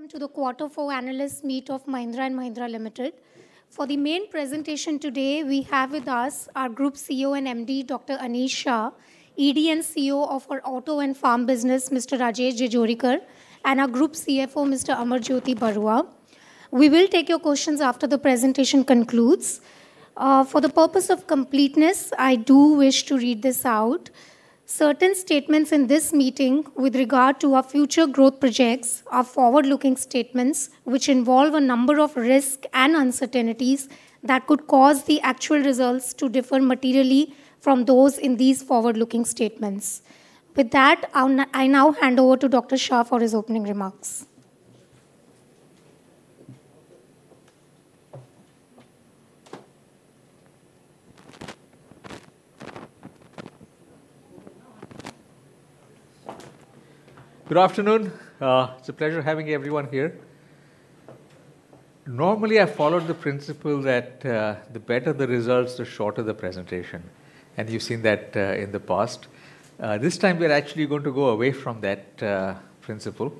Welcome to the Quarter Four Analyst Meet of Mahindra & Mahindra Limited. For the main presentation today, we have with us our Group CEO and MD, Dr. Anish Shah; ED and CEO of our Auto and Farm business, Mr. Rajesh Jejurikar; and our Group CFO, Mr. Amarjyoti Barua. We will take your questions after the presentation concludes. For the purpose of completeness, I do wish to read this out. Certain statements in this meeting with regard to our future growth projects are forward-looking statements which involve a number of risk and uncertainties that could cause the actual results to differ materially from those in these forward-looking statements. With that, I now hand over to Dr. Shah for his opening remarks. Good afternoon. It's a pleasure having everyone here. Normally, I follow the principle that the better the results, the shorter the presentation, and you've seen that in the past. This time, we're actually going to go away from that principle.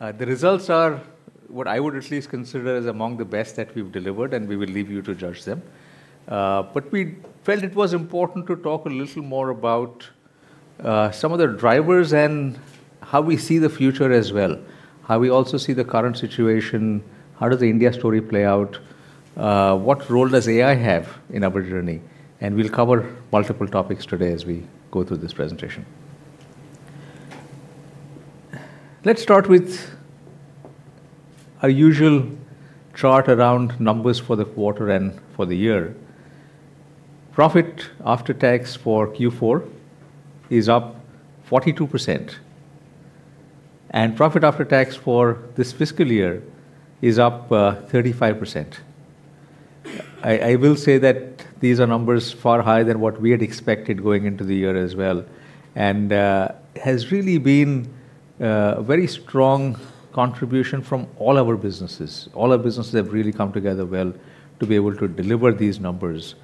The results are what I would at least consider as among the best that we've delivered, and we will leave you to judge them. But we felt it was important to talk a little more about some of the drivers and how we see the future as well, how we also see the current situation, how does the India story play out, what role does AI have in our journey? We'll cover multiple topics today as we go through this presentation. Let's start with our usual chart around numbers for the quarter and for the year. Profit after tax for Q4 is up 42%, and profit after tax for this fiscal year is up 35%. I will say that these are numbers far higher than what we had expected going into the year as well, and has really been a very strong contribution from all our businesses. All our businesses have really come together well to be able to deliver these numbers.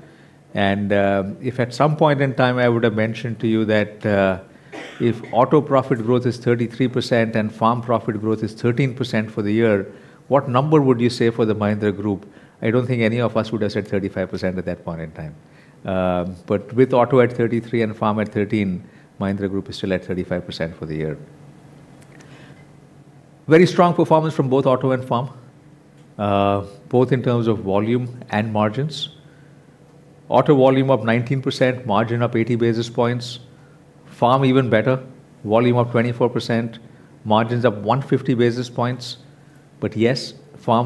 If at some point in time, I would have mentioned to you that if Auto profit growth is 33% and Farm profit growth is 13% for the year, what number would you say for the Mahindra Group? I don't think any of us would have said 35% at that point in time. With Auto at 33 and Farm at 13, Mahindra Group is still at 35% for the year. Very strong performance from both Auto and Farm, both in terms of volume and margins. Auto volume up 19%, margin up 80 basis points. Yes, Farm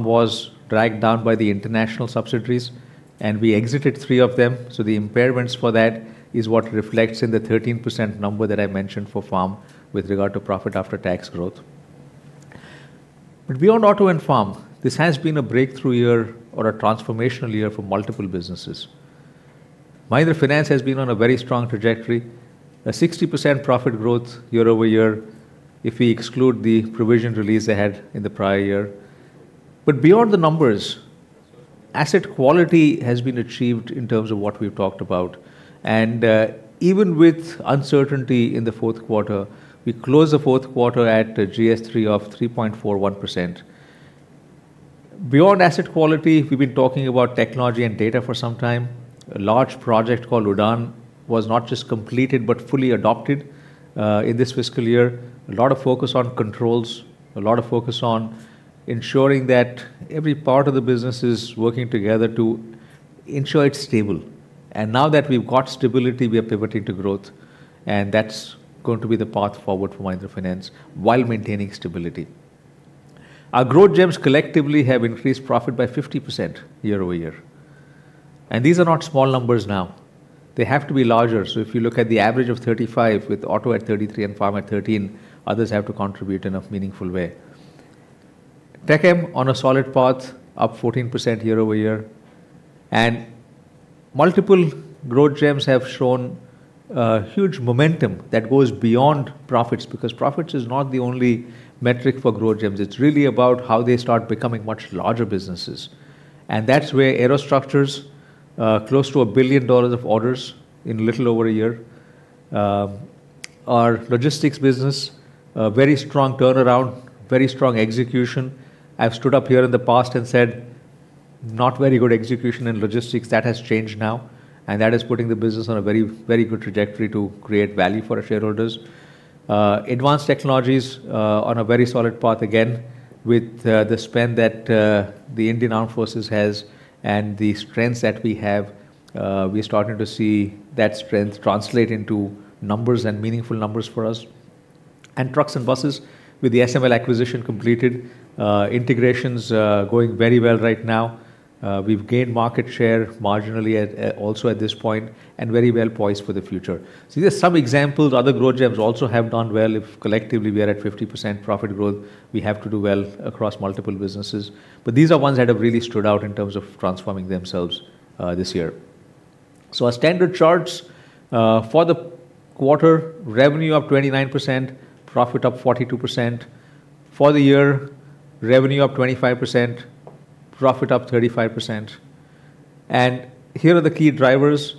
was dragged down by the international subsidiaries, and we exited three of them, so the impairments for that is what reflects in the 13% number that I mentioned for Farm with regard to profit after tax growth. Beyond Auto and Farm, this has been a breakthrough year or a transformational year for multiple businesses. Mahindra Finance has been on a very strong trajectory, a 60% profit growth year-over-year if we exclude the provision release they had in the prior year. Beyond the numbers, asset quality has been achieved in terms of what we've talked about. Even with uncertainty in the fourth quarter, we closed the fourth quarter at a GS3 of 3.41%. Beyond asset quality, we've been talking about technology and data for some time. A large project called UDAAN was not just completed but fully adopted in this fiscal year. A lot of focus on controls, a lot of focus on ensuring that every part of the business is working together to ensure it's stable. Now that we've got stability, we are pivoting to growth, and that's going to be the path forward for Mahindra Finance while maintaining stability. Our Growth Gems collectively have increased profit by 50% year-over-year, and these are not small numbers now. They have to be larger. If you look at the average of 35, with Auto at 33 and Farm at 13, others have to contribute in a meaningful way. TechM on a solid path, up 14% year-over-year. Multiple Growth Gems have shown huge momentum that goes beyond profits because profits is not the only metric for Growth Gems. It's really about how they start becoming much larger businesses, and that's where Aerostructures, close to $1 billion of orders in a little over a year. Our Logistics business, a very strong turnaround, very strong execution. I've stood up here in the past and said, "Not very good execution in Logistics." That has changed now, and that is putting the business on a very, very good trajectory to create value for our shareholders. Advanced Technologies on a very solid path again with the spend that the Indian Armed Forces has and the strengths that we have, we're starting to see that strength translate into numbers and meaningful numbers for us. Trucks and Buses, with the SML Isuzu acquisition completed, integrations going very well right now. We've gained market share marginally at also at this point, and very well-poised for the future. These are some examples. Other Growth Gems also have done well. If collectively we are at 50% profit growth, we have to do well across multiple businesses. These are ones that have really stood out in terms of transforming themselves this year. Our standard charts for the quarter, revenue up 29%, profit up 42%. For the year, revenue up 25%, profit up 35%. Here are the key drivers.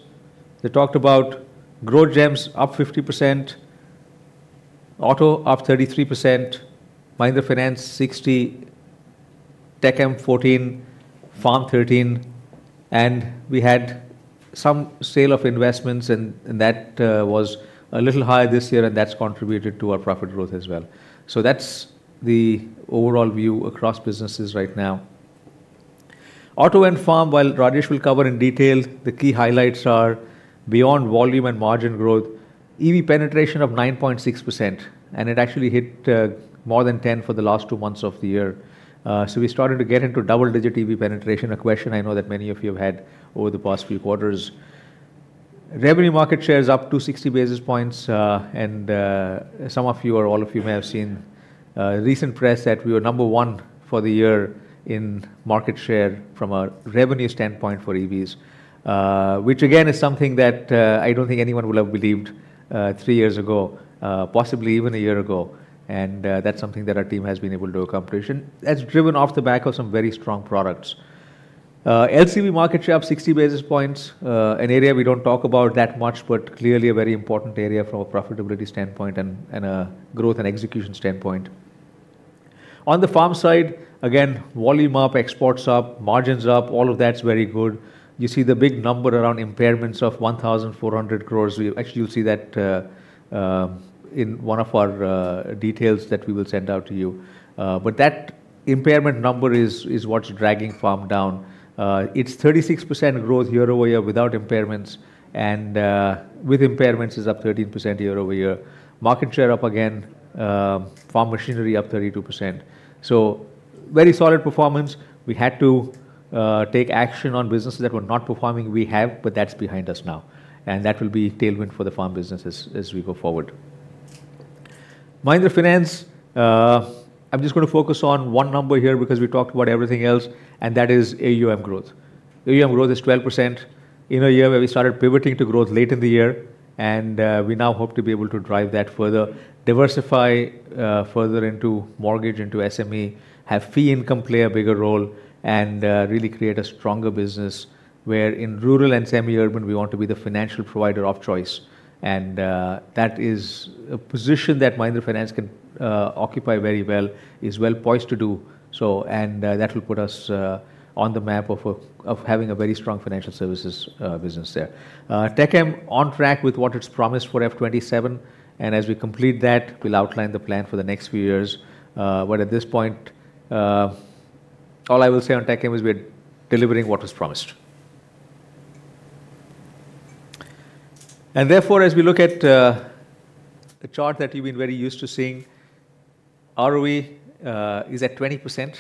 They talked about Growth Gems up 50%, auto up 33%, Mahindra Finance 60, TechM 14, Farm 13, and we had some sale of investments and that was a little high this year, and that's contributed to our profit growth as well. That's the overall view across businesses right now. Auto and Farm, while Rajesh will cover in detail, the key highlights are beyond volume and margin growth, EV penetration of 9.6%, and it actually hit more than 10 for the last two months of the year. We started to get into double-digit EV penetration, a question I know that many of you have had over the past few quarters. Revenue market share is up to 60 basis points, and some of you or all of you may have seen recent press that we were number one for the year in market share from a revenue standpoint for EVs. Which again is something that I don't think anyone would have believed three years ago, possibly even one year ago. That's something that our team has been able to accomplish and that's driven off the back of some very strong products. LCV market share up 60 basis points, an area we don't talk about that much, but clearly a very important area from a profitability standpoint and a growth and execution standpoint. On the Farm side, again, volume up, exports up, margins up, all of that's very good. You see the big number around impairments of 1,400 crores. Actually, you'll see that in one of our details that we will send out to you. That impairment number is what's dragging Farm down. It's 36% growth year-over-year without impairments and with impairments is up 13% year-over-year. Market share up again, farm machinery up 32%. Very solid performance. We had to take action on businesses that were not performing. We have, but that's behind us now, and that will be tailwind for the Farm business as we go forward. Mahindra Finance, I'm just gonna focus on one number here because we talked about everything else, and that is AUM growth. AUM growth is 12% in a year where we started pivoting to growth late in the year. We now hope to be able to drive that further, diversify further into mortgage, into SME, have fee income play a bigger role, really create a stronger business where in rural and semi-urban, we want to be the financial provider of choice. That is a position that Mahindra Finance can occupy very well, is well poised to do so, that will put us on the map of having a very strong financial services business there. TechM on track with what it's promised for F 2027. As we complete that, we'll outline the plan for the next few years. But at this point, all I will say on TechM is we're delivering what was promised. As we look at the chart that you've been very used to seeing, ROE is at 20%.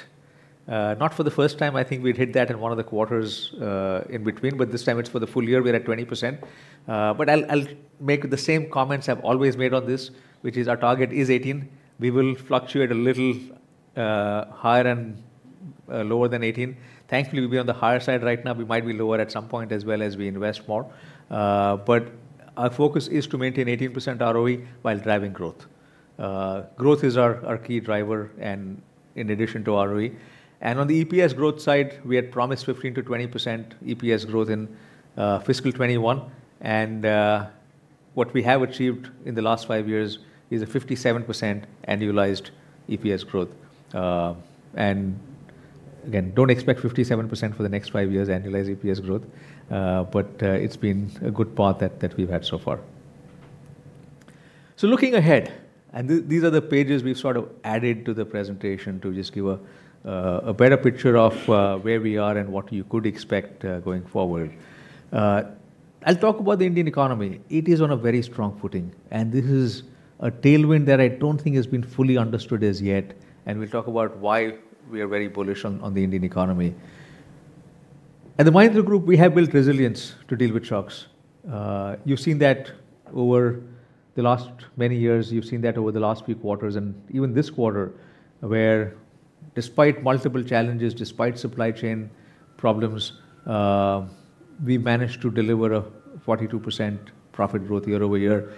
Not for the first time. I think we'd hit that in one of the quarters in between, but this time it's for the full year, we're at 20%. I'll make the same comments I've always made on this, which is our target is 18. We will fluctuate a little higher and lower than 18. Thankfully, we're on the higher side right now. We might be lower at some point as well as we invest more. Our focus is to maintain 18% ROE while driving growth. Growth is our key driver and in addition to ROE. On the EPS growth side, we had promised 15%-20% EPS growth in fiscal 2021. What we have achieved in the last years is a 57% annualized EPS growth. And again, don't expect 57% for the next five years annualized EPS growth, but it's been a good path that we've had so far. Looking ahead, these are the pages we've sort of added to the presentation to just give a better picture of where we are and what you could expect going forward. I'll talk about the Indian economy. It is on a very strong footing, and this is a tailwind that I don't think has been fully understood as yet, and we'll talk about why we are very bullish on the Indian economy. At the Mahindra Group, we have built resilience to deal with shocks. You've seen that over the last many years. You've seen that over the last few quarters and even this quarter, where despite multiple challenges, despite supply chain problems, we managed to deliver a 42% profit growth year-over-year.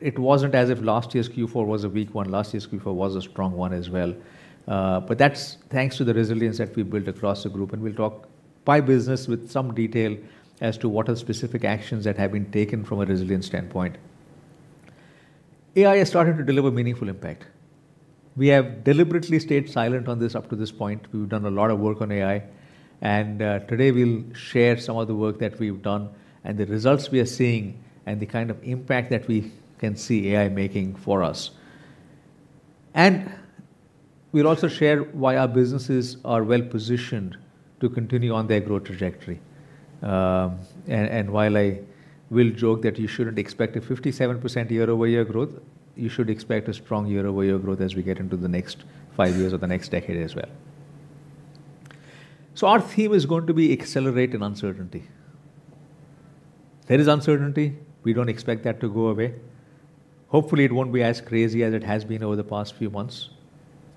It wasn't as if last year's Q4 was a weak one. Last year's Q4 was a strong one as well. That's thanks to the resilience that we built across the group, and we'll talk by business with some detail as to what are specific actions that have been taken from a resilience standpoint. AI has started to deliver meaningful impact. We have deliberately stayed silent on this up to this point. We've done a lot of work on AI, and today we'll share some of the work that we've done and the results we are seeing and the kind of impact that we can see AI making for us. We'll also share why our businesses are well-positioned to continue on their growth trajectory. While I will joke that you shouldn't expect a 57% year-over-year growth, you should expect a strong year-over-year growth as we get into the next five years or the next decade as well. Our theme is going to be accelerate in uncertainty. There is uncertainty. We don't expect that to go away. Hopefully, it won't be as crazy as it has been over the past few months.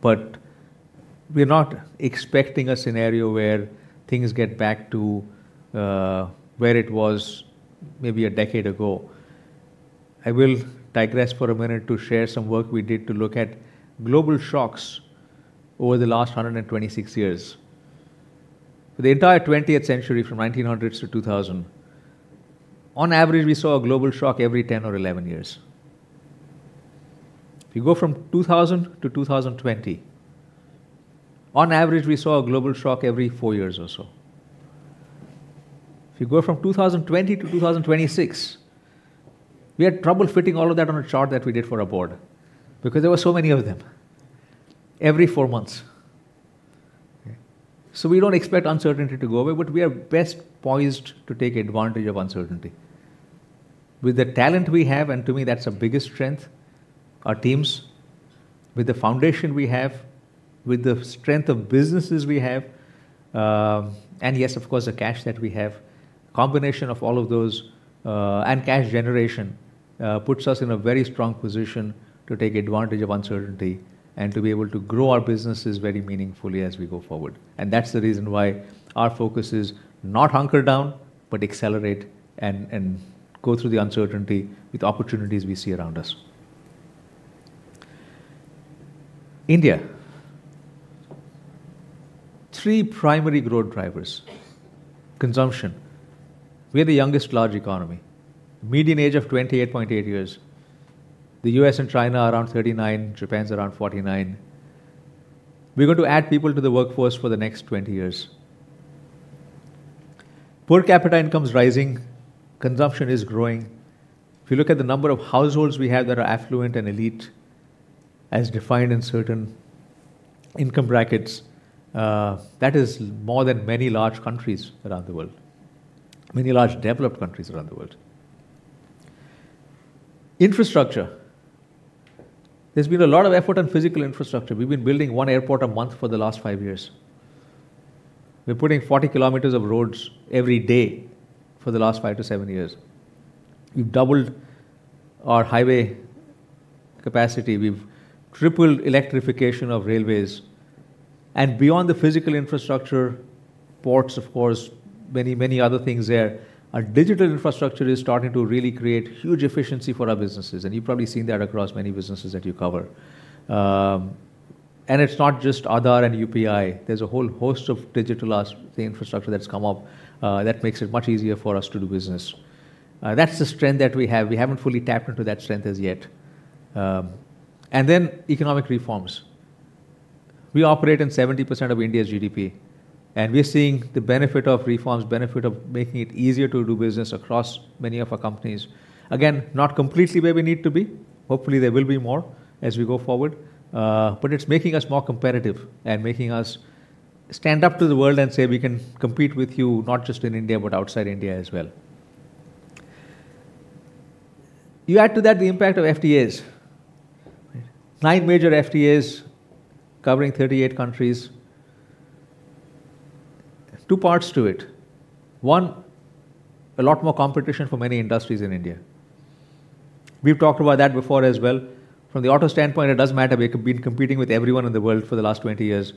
We're not expecting a scenario where things get back to where it was maybe a decade ago. I will digress for a minute to share some work we did to look at global shocks over the last 126 years. For the entire 20th century, from 1900s to 2000, on average, we saw a global shock every 10 or 11 years. If you go from 2000 to 2020, on average, we saw a global shock every four years or so. If you go from 2020 to 2026, we had trouble fitting all of that on a chart that we did for our board because there were so many of them. Every four months. We don't expect uncertainty to go away, but we are best poised to take advantage of uncertainty. With the talent we have, and to me, that's our biggest strength, our teams, with the foundation we have, with the strength of businesses we have, and yes, of course, the cash that we have, combination of all of those, and cash generation, puts us in a very strong position to take advantage of uncertainty and to be able to grow our businesses very meaningfully as we go forward. That's the reason why our focus is not hunker down, but accelerate and go through the uncertainty with opportunities we see around us. India. Three primary growth drivers. Consumption. We're the youngest large economy. Median age of 28.8 years. The U.S. and China are around 39. Japan's around 49. We're going to add people to the workforce for the next 20 years. Per capita income's rising. Consumption is growing. If you look at the number of households we have that are affluent and elite, as defined in certain income brackets, that is more than many large countries around the world, many large developed countries around the world. Infrastructure. There's been a lot of effort on physical infrastructure. We've been building one airport a month for the last five years. We're putting 40 kilometers of roads every day for the last five to seven years. We've doubled our highway capacity. We've tripled electrification of railways. Beyond the physical infrastructure, ports, of course, many, many other things there, our digital infrastructure is starting to really create huge efficiency for our businesses, and you've probably seen that across many businesses that you cover. It's not just Aadhaar and UPI. There's a whole host of digital the infrastructure that's come up that makes it much easier for us to do business. That's the strength that we have. We haven't fully tapped into that strength as yet. Then economic reforms. We operate in 70% of India's GDP, we're seeing the benefit of reforms, benefit of making it easier to do business across many of our companies. Again, not completely where we need to be. Hopefully, there will be more as we go forward. It's making us more competitive and making us stand up to the world and say, "We can compete with you, not just in India, but outside India as well." You add to that the impact of FTAs. Nine major FTAs covering 38 countries. There's two parts to it. One, a lot more competition for many industries in India. We've talked about that before as well. From the auto standpoint, it doesn't matter. We've been competing with everyone in the world for the last 20 years.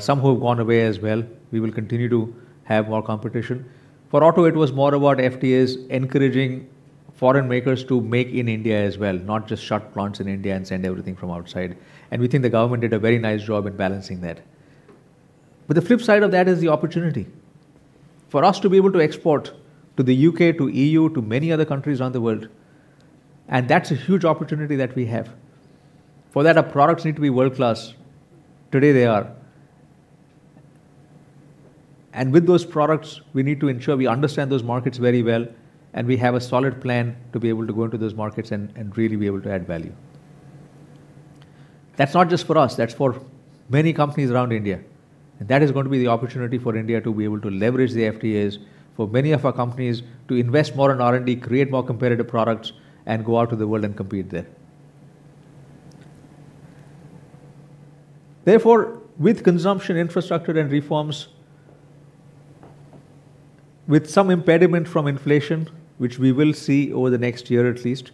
Some who have gone away as well. We will continue to have more competition. For auto, it was more about FTAs encouraging foreign makers to make in India as well, not just shut plants in India and send everything from outside. We think the government did a very nice job at balancing that. The flip side of that is the opportunity for us to be able to export to the U.K., to E.U., to many other countries around the world, and that's a huge opportunity that we have. For that, our products need to be world-class. Today, they are. With those products, we need to ensure we understand those markets very well, and we have a solid plan to be able to go into those markets and really be able to add value. That's not just for us. That's for many companies around India. That is going to be the opportunity for India to be able to leverage the FTAs, for many of our companies to invest more in R&D, create more competitive products, and go out to the world and compete there. Therefore, with consumption, infrastructure, and reforms, with some impediment from inflation, which we will see over the next year at least,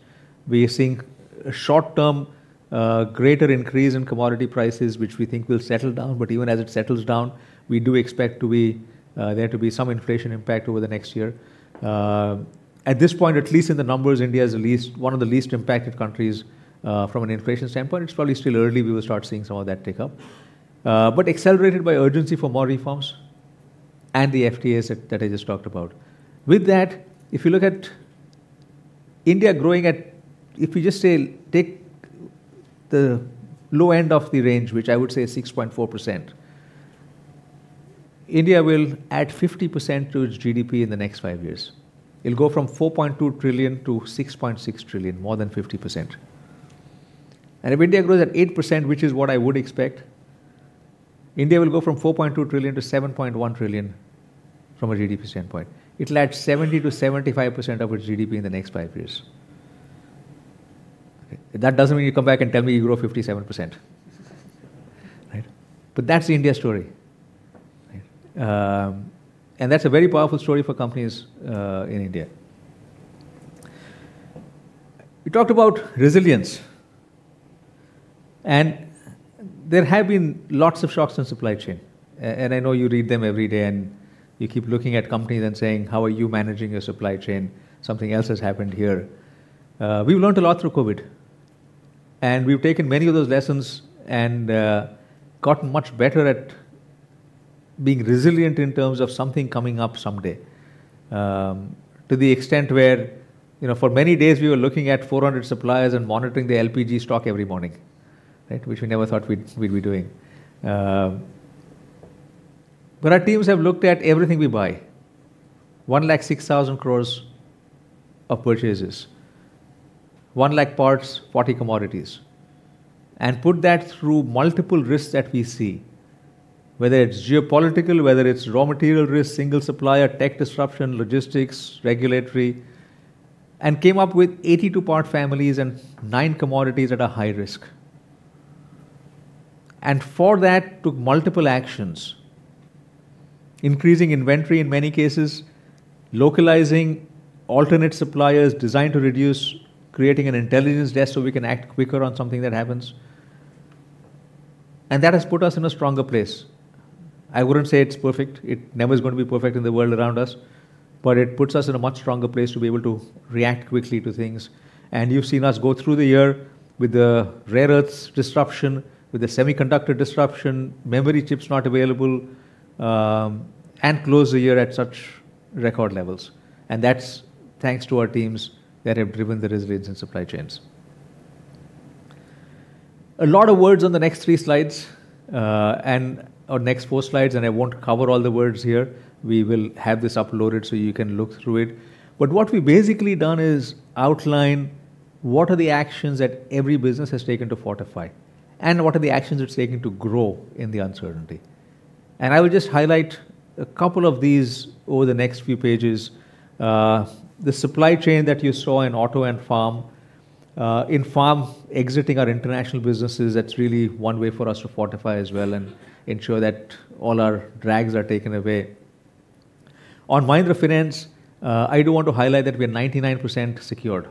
we are seeing a short-term greater increase in commodity prices, which we think will settle down. Even as it settles down, we do expect to be there to be some inflation impact over the next year. At this point, at least in the numbers, India is the least, one of the least impacted countries, from an inflation standpoint. It's probably still early. We will start seeing some of that tick up. Accelerated by urgency for more reforms and the FTAs that I just talked about. With that, if you look at India growing at, if you just say, take the low end of the range, which I would say is 6.4%, India will add 50% to its GDP in the next five years. It'll go from 4.2 trillion to 6.6 trillion, more than 50%. If India grows at 8%, which is what I would expect, India will go from 4.2 trillion to 7.1 trillion from a GDP standpoint. It'll add 70%-75% of its GDP in the next five years. That doesn't mean you come back and tell me you grew 57%, right. That's the India story, right. That's a very powerful story for companies in India. We talked about resilience. And there have been lots of shocks in supply chain. I know you read them every day, and you keep looking at companies and saying, "How are you managing your supply chain? Something else has happened here." We've learned a lot through COVID, and we've taken many of those lessons and gotten much better at being resilient in terms of something coming up someday, to the extent where, you know, for many days we were looking at 400 suppliers and monitoring their LPG stock every morning, right. Which we never thought we'd be doing. Our teams have looked at everything we buy, 1,06,000 crores of purchases, 1 lakh parts, 40 commodities, and put that through multiple risks that we see, whether it's geopolitical, whether it's raw material risk, single supplier, tech disruption, logistics, regulatory, and came up with 82 part families and nine commodities at a high risk. For that, took multiple actions. Increasing inventory in many cases, localizing alternate suppliers designed to reduce, creating an intelligence desk so we can act quicker on something that happens. That has put us in a stronger place. I wouldn't say it's perfect. It never is gonna be perfect in the world around us, but it puts us in a much stronger place to be able to react quickly to things. You've seen us go through the year with the rare earths disruption, with the semiconductor disruption, memory chips not available, and close the year at such record levels. That's thanks to our teams that have driven the resilience in supply chains. A lot of words on the next three slides, or next four slides, I won't cover all the words here. We will have this uploaded so you can look through it. What we've basically done is outline what are the actions that every business has taken to fortify, and what are the actions it's taken to grow in the uncertainty. I will just highlight a couple of these over the next few pages. The supply chain that you saw in auto and farm, in farm, exiting our international businesses, that's really one way for us to fortify as well and ensure that all our drags are taken away. On Mahindra Finance, I do want to highlight that we are 99% secured,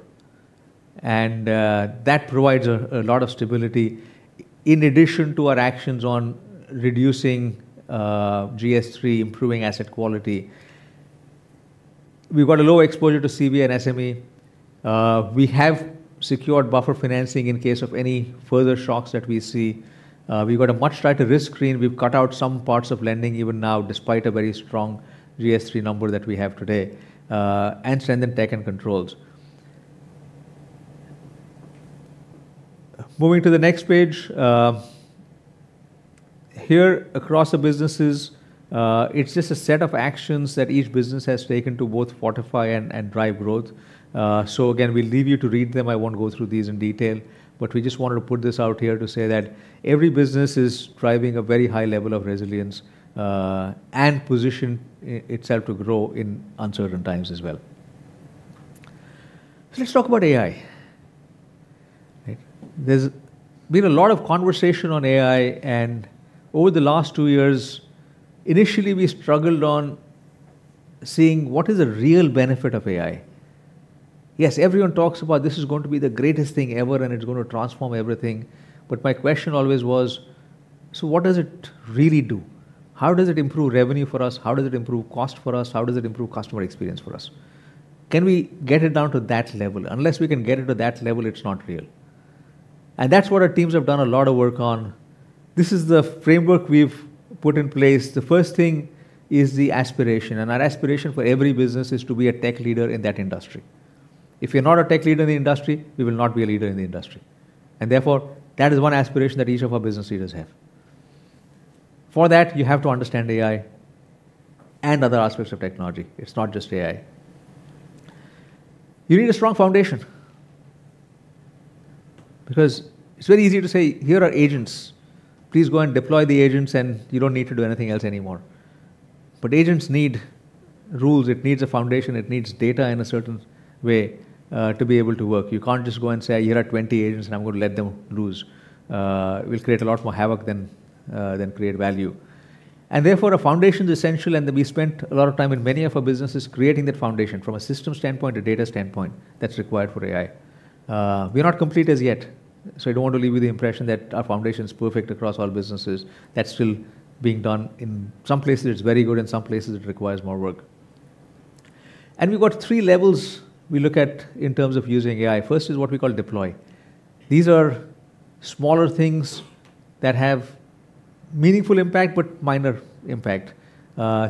and that provides a lot of stability in addition to our actions on reducing GS3, improving asset quality. We've got a low exposure to CV and SME. We have secured buffer financing in case of any further shocks that we see. We've got a much tighter risk screen. We've cut out some parts of lending even now, despite a very strong GS3 number that we have today, and strengthened tech and controls. Moving to the next page, here across the businesses, it's just a set of actions that each business has taken to both fortify and drive growth. Again, we'll leave you to read them. I won't go through these in detail, but we just wanted to put this out here to say that every business is driving a very high level of resilience and position itself to grow in uncertain times as well. Let's talk about AI. Right. There's been a lot of conversation on AI, and over the last two years, initially we struggled on seeing what is the real benefit of AI. Yes, everyone talks about this is going to be the greatest thing ever, and it's going to transform everything. My question always was, what does it really do? How does it improve revenue for us? How does it improve cost for us? How does it improve customer experience for us? Can we get it down to that level? Unless we can get it to that level, it's not real. That's what our teams have done a lot of work on. This is the framework we've put in place. The first thing is the aspiration. Our aspiration for every business is to be a tech leader in that industry. If you're not a tech leader in the industry, we will not be a leader in the industry. Therefore, that is one aspiration that each of our business leaders have. For that, you have to understand AI and other aspects of technology. It's not just AI. You need a strong foundation because it's very easy to say, "Here are agents. Please go and deploy the agents, and you don't need to do anything else anymore." Agents need rules. It needs a foundation. It needs data in a certain way to be able to work. You can't just go and say, "Here are 20 agents, and I'm going to let them loose." It will create a lot more havoc than than create value. Therefore, a foundation's essential, and we spent a lot of time in many of our businesses creating that foundation from a systems standpoint, a data standpoint that's required for AI. We're not complete as yet, so I don't want to leave you with the impression that our foundation is perfect across all businesses. That's still being done. In some places it's very good, in some places it requires more work. We've got three levels we look at in terms of using AI. First is what we call deploy. These are smaller things that have meaningful impact but minor impact.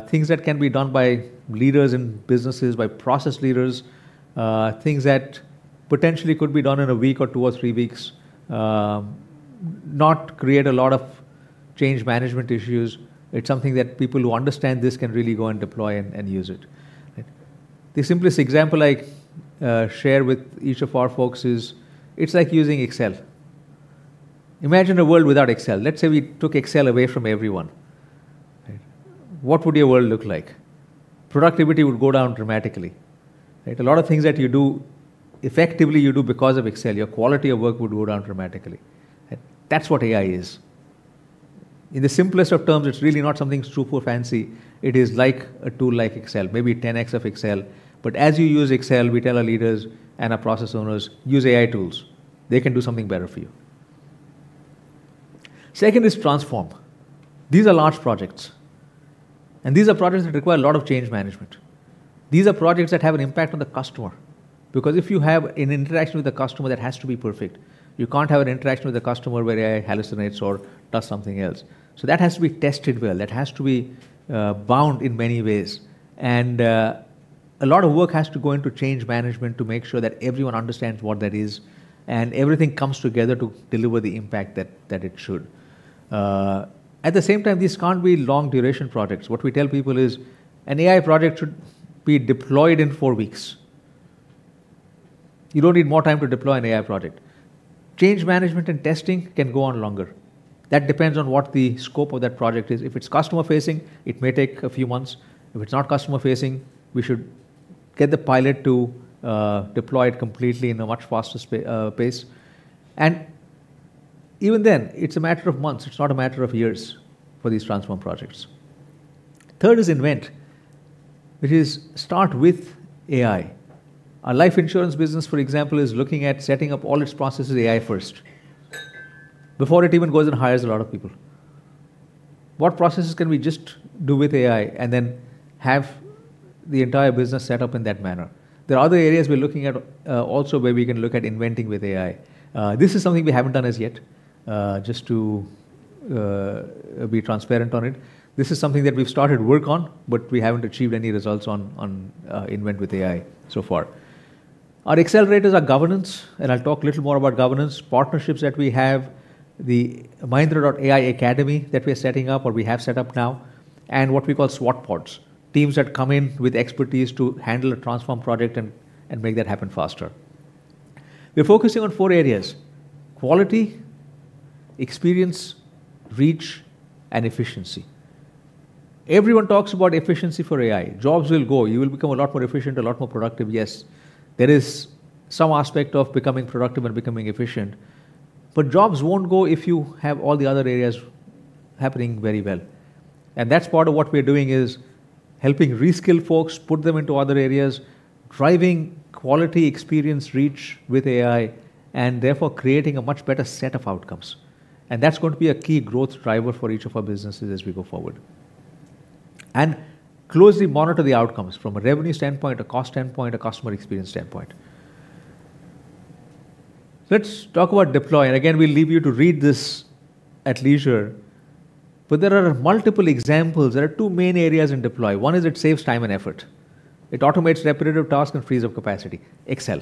Things that can be done by leaders in businesses, by process leaders, things that potentially could be done in a week or two or three weeks, not create a lot of change management issues. It's something that people who understand this can really go and deploy and use it. The simplest example I share with each of our folks is it's like using Excel. Imagine a world without Excel. Let's say we took Excel away from everyone. Right. What would your world look like? Productivity would go down dramatically, right? A lot of things that you do effectively you do because of Excel. Your quality of work would go down dramatically. That's what AI is. In the simplest of terms, it's really not something super fancy. It is like a tool like Excel, maybe 10x of Excel. As you use Excel, we tell our leaders and our process owners, "Use AI tools. They can do something better for you." Second is transform. These are large projects, and these are projects that require a lot of change management. These are projects that have an impact on the customer because if you have an interaction with a customer, that has to be perfect. You can't have an interaction with a customer where AI hallucinates or does something else. That has to be tested well. That has to be bound in many ways. A lot of work has to go into change management to make sure that everyone understands what that is, and everything comes together to deliver the impact that it should. At the same time, these can't be long duration projects. What we tell people is an AI project should be deployed in four weeks. You don't need more time to deploy an AI project. Change management and testing can go on longer. That depends on what the scope of that project is. If it's customer-facing, it may take a few months. If it's not customer-facing, we should get the pilot to deploy it completely in a much faster pace. Even then, it's a matter of months, it's not a matter of years for these transform projects. Third is invent. It is start with AI. Our life insurance business, for example, is looking at setting up all its processes AI first before it even goes and hires a lot of people. What processes can we just do with AI and then have the entire business set up in that manner? There are other areas we're looking at, also where we can look at inventing with AI. This is something we haven't done as yet, just to be transparent on it. This is something that we've started work on, but we haven't achieved any results on invent with AI so far. Our accelerators are governance, and I'll talk a little more about governance, partnerships that we have, the Mahindra's AI Academy that we are setting up or we have set up now, and what we call SWAT pods, teams that come in with expertise to handle a transform project and make that happen faster. We're focusing on four areas: quality, experience, reach, and efficiency. Everyone talks about efficiency for AI. Jobs will go. You will become a lot more efficient, a lot more productive. Yes, there is some aspect of becoming productive and becoming efficient, jobs won't go if you have all the other areas happening very well. That's part of what we're doing is helping reskill folks, put them into other areas, driving quality experience reach with AI, and therefore creating a much better set of outcomes. That's going to be a key growth driver for each of our businesses as we go forward. Closely monitor the outcomes from a revenue standpoint, a cost standpoint, a customer experience standpoint. Let's talk about deploy. Again, we'll leave you to read this at leisure, but there are multiple examples. There are two main areas in deploy. One is it saves time and effort. It automates repetitive tasks and frees up capacity. Excel.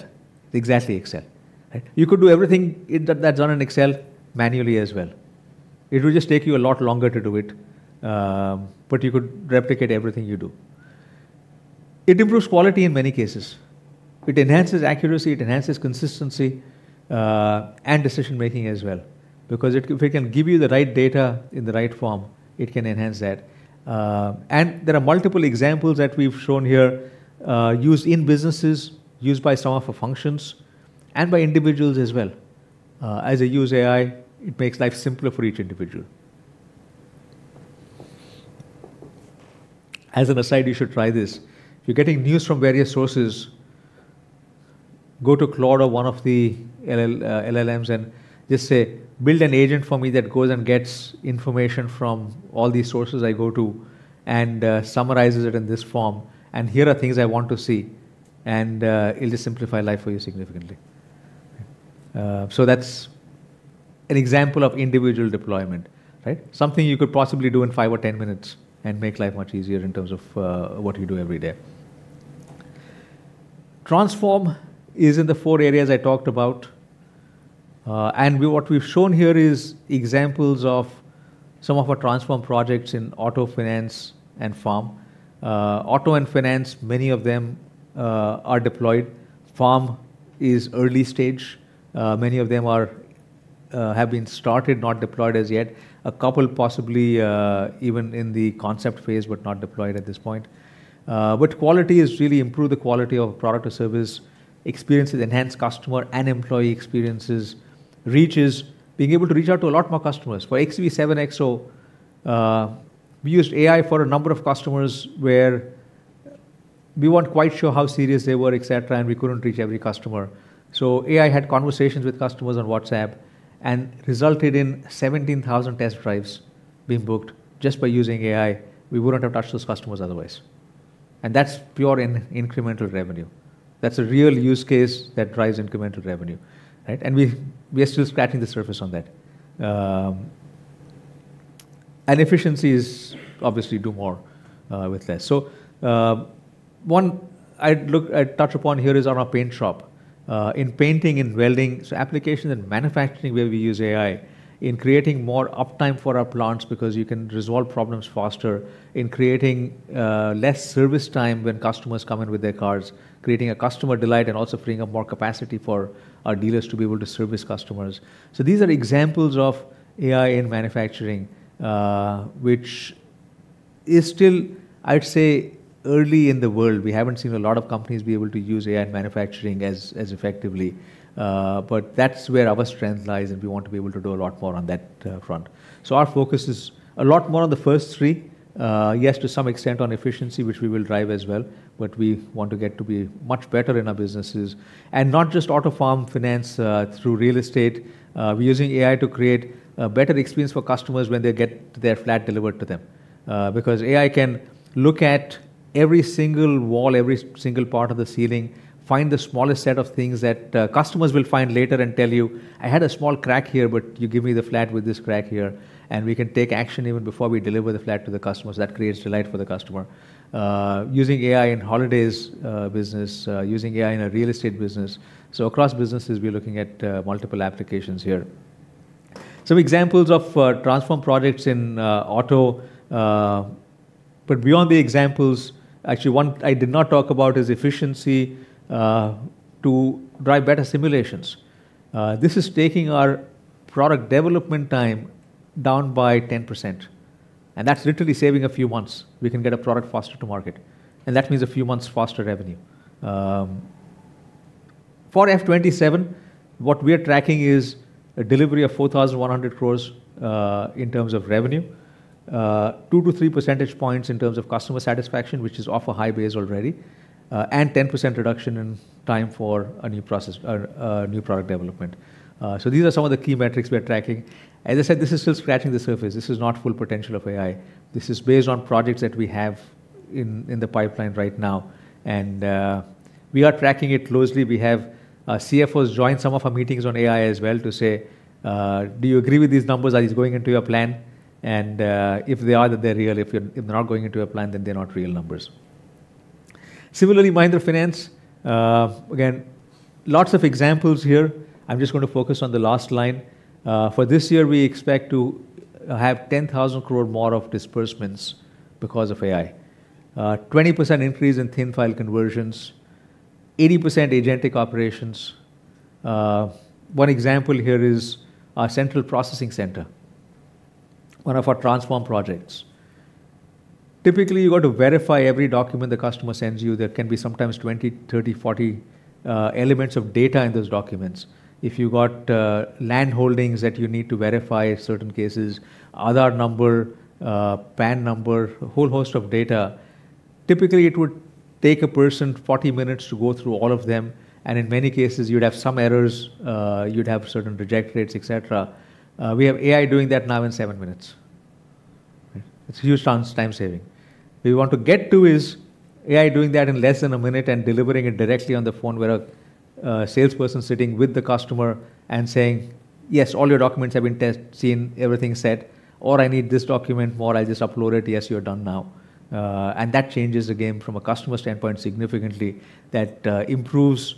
Exactly Excel, right? You could do everything that's done in Excel manually as well. It will just take you a lot longer to do it, but you could replicate everything you do. It improves quality in many cases. It enhances accuracy, it enhances consistency, and decision-making as well because if it can give you the right data in the right form, it can enhance that. There are multiple examples that we've shown here, used in businesses, used by some of our functions, and by individuals as well. As they use AI, it makes life simpler for each individual. As an aside, you should try this. If you're getting news from various sources, go to Claude or one of the LLMs and just say, "Build an agent for me that goes and gets information from all these sources I go to and summarizes it in this form, and here are things I want to see." It'll just simplify life for you significantly. That's an example of individual deployment, right? Something you could possibly do in five or 10 minutes and make life much easier in terms of what you do every day. Transform is in the four areas I talked about. What we've shown here is examples of some of our transform projects in auto finance and farm. Auto and finance, many of them are deployed. Farm is early stage. Many of them have been started, not deployed as yet. A couple possibly even in the concept phase, but not deployed at this point. Quality is really improve the quality of product or service, experiences enhance customer and employee experiences. Reach is being able to reach out to a lot more customers. For XUV700, we used AI for a number of customers where we weren't quite sure how serious they were, et cetera, and we couldn't reach every customer. AI had conversations with customers on WhatsApp and resulted in 17,000 test drives being booked just by using AI. We wouldn't have touched those customers otherwise. That's pure incremental revenue. That's a real use case that drives incremental revenue, right? We are still scratching the surface on that. Efficiency is obviously do more with less. One I'd touch upon here is on our paint shop. In painting, in welding, applications and manufacturing where we use AI in creating more uptime for our plants because you can resolve problems faster, in creating less service time when customers come in with their cars, creating a customer delight, and also freeing up more capacity for our dealers to be able to service customers. These are examples of AI in manufacturing, which is still, I'd say, early in the world. We haven't seen a lot of companies be able to use AI in manufacturing as effectively. That's where our strength lies, and we want to be able to do a lot more on that front. Our focus is a lot more on the first three. Yes, to some extent on efficiency, which we will drive as well, but we want to get to be much better in our businesses. Not just auto, farm, finance, through real estate. We're using AI to create a better experience for customers when they get their flat delivered to them. Because AI can look at every single wall, every single part of the ceiling, find the smallest set of things that customers will find later and tell you, "I had a small crack here, but you give me the flat with this crack here." We can take action even before we deliver the flat to the customers. That creates delight for the customer. Using AI in holidays, business, using AI in a real estate business. Across businesses, we are looking at multiple applications here. Some examples of transform projects in auto, but beyond the examples, actually one I did not talk about is efficiency to drive better simulations. This is taking our product development time down by 10%, and that's literally saving a few months. We can get a product faster to market, and that means a few months faster revenue. For F 2027, what we are tracking is a delivery of 4,100 crore in terms of revenue. Two to three percentage points in terms of customer satisfaction, which is off a high base already. 10% reduction in time for a new process or a new product development. These are some of the key metrics we are tracking. As I said, this is still scratching the surface. This is not full potential of AI. This is based on projects that we have in the pipeline right now, and we are tracking it closely. We have our CFOs join some of our meetings on AI as well to say, "Do you agree with these numbers? Are these going into your plan?" If they are, then they're real. If they're not going into your plan, then they're not real numbers. Similarly, Mahindra Finance, again, lots of examples here. I'm just gonna focus on the last line. For this year, we expect to have 10,000 crore more of disbursements because of AI. 20% increase in thin file conversions, 80% agentic operations. One example here is our central processing center, one of our transform projects. Typically, you've got to verify every document the customer sends you. There can be sometimes 20, 30, 40 elements of data in those documents. If you've got land holdings that you need to verify, certain cases, Aadhaar number, PAN number, a whole host of data. Typically, it would take a person 40 minutes to go through all of them, and in many cases, you'd have some errors, you'd have certain reject rates, et cetera. We have AI doing that now in seven minutes. It's huge time saving. Where we want to get to is AI doing that in less than a minute and delivering it directly on the phone where a salesperson sitting with the customer and saying, "Yes, all your documents have been test, seen, everything set," or, "I need this document more. I just upload it. Yes, you are done now." That changes the game from a customer standpoint significantly. That improves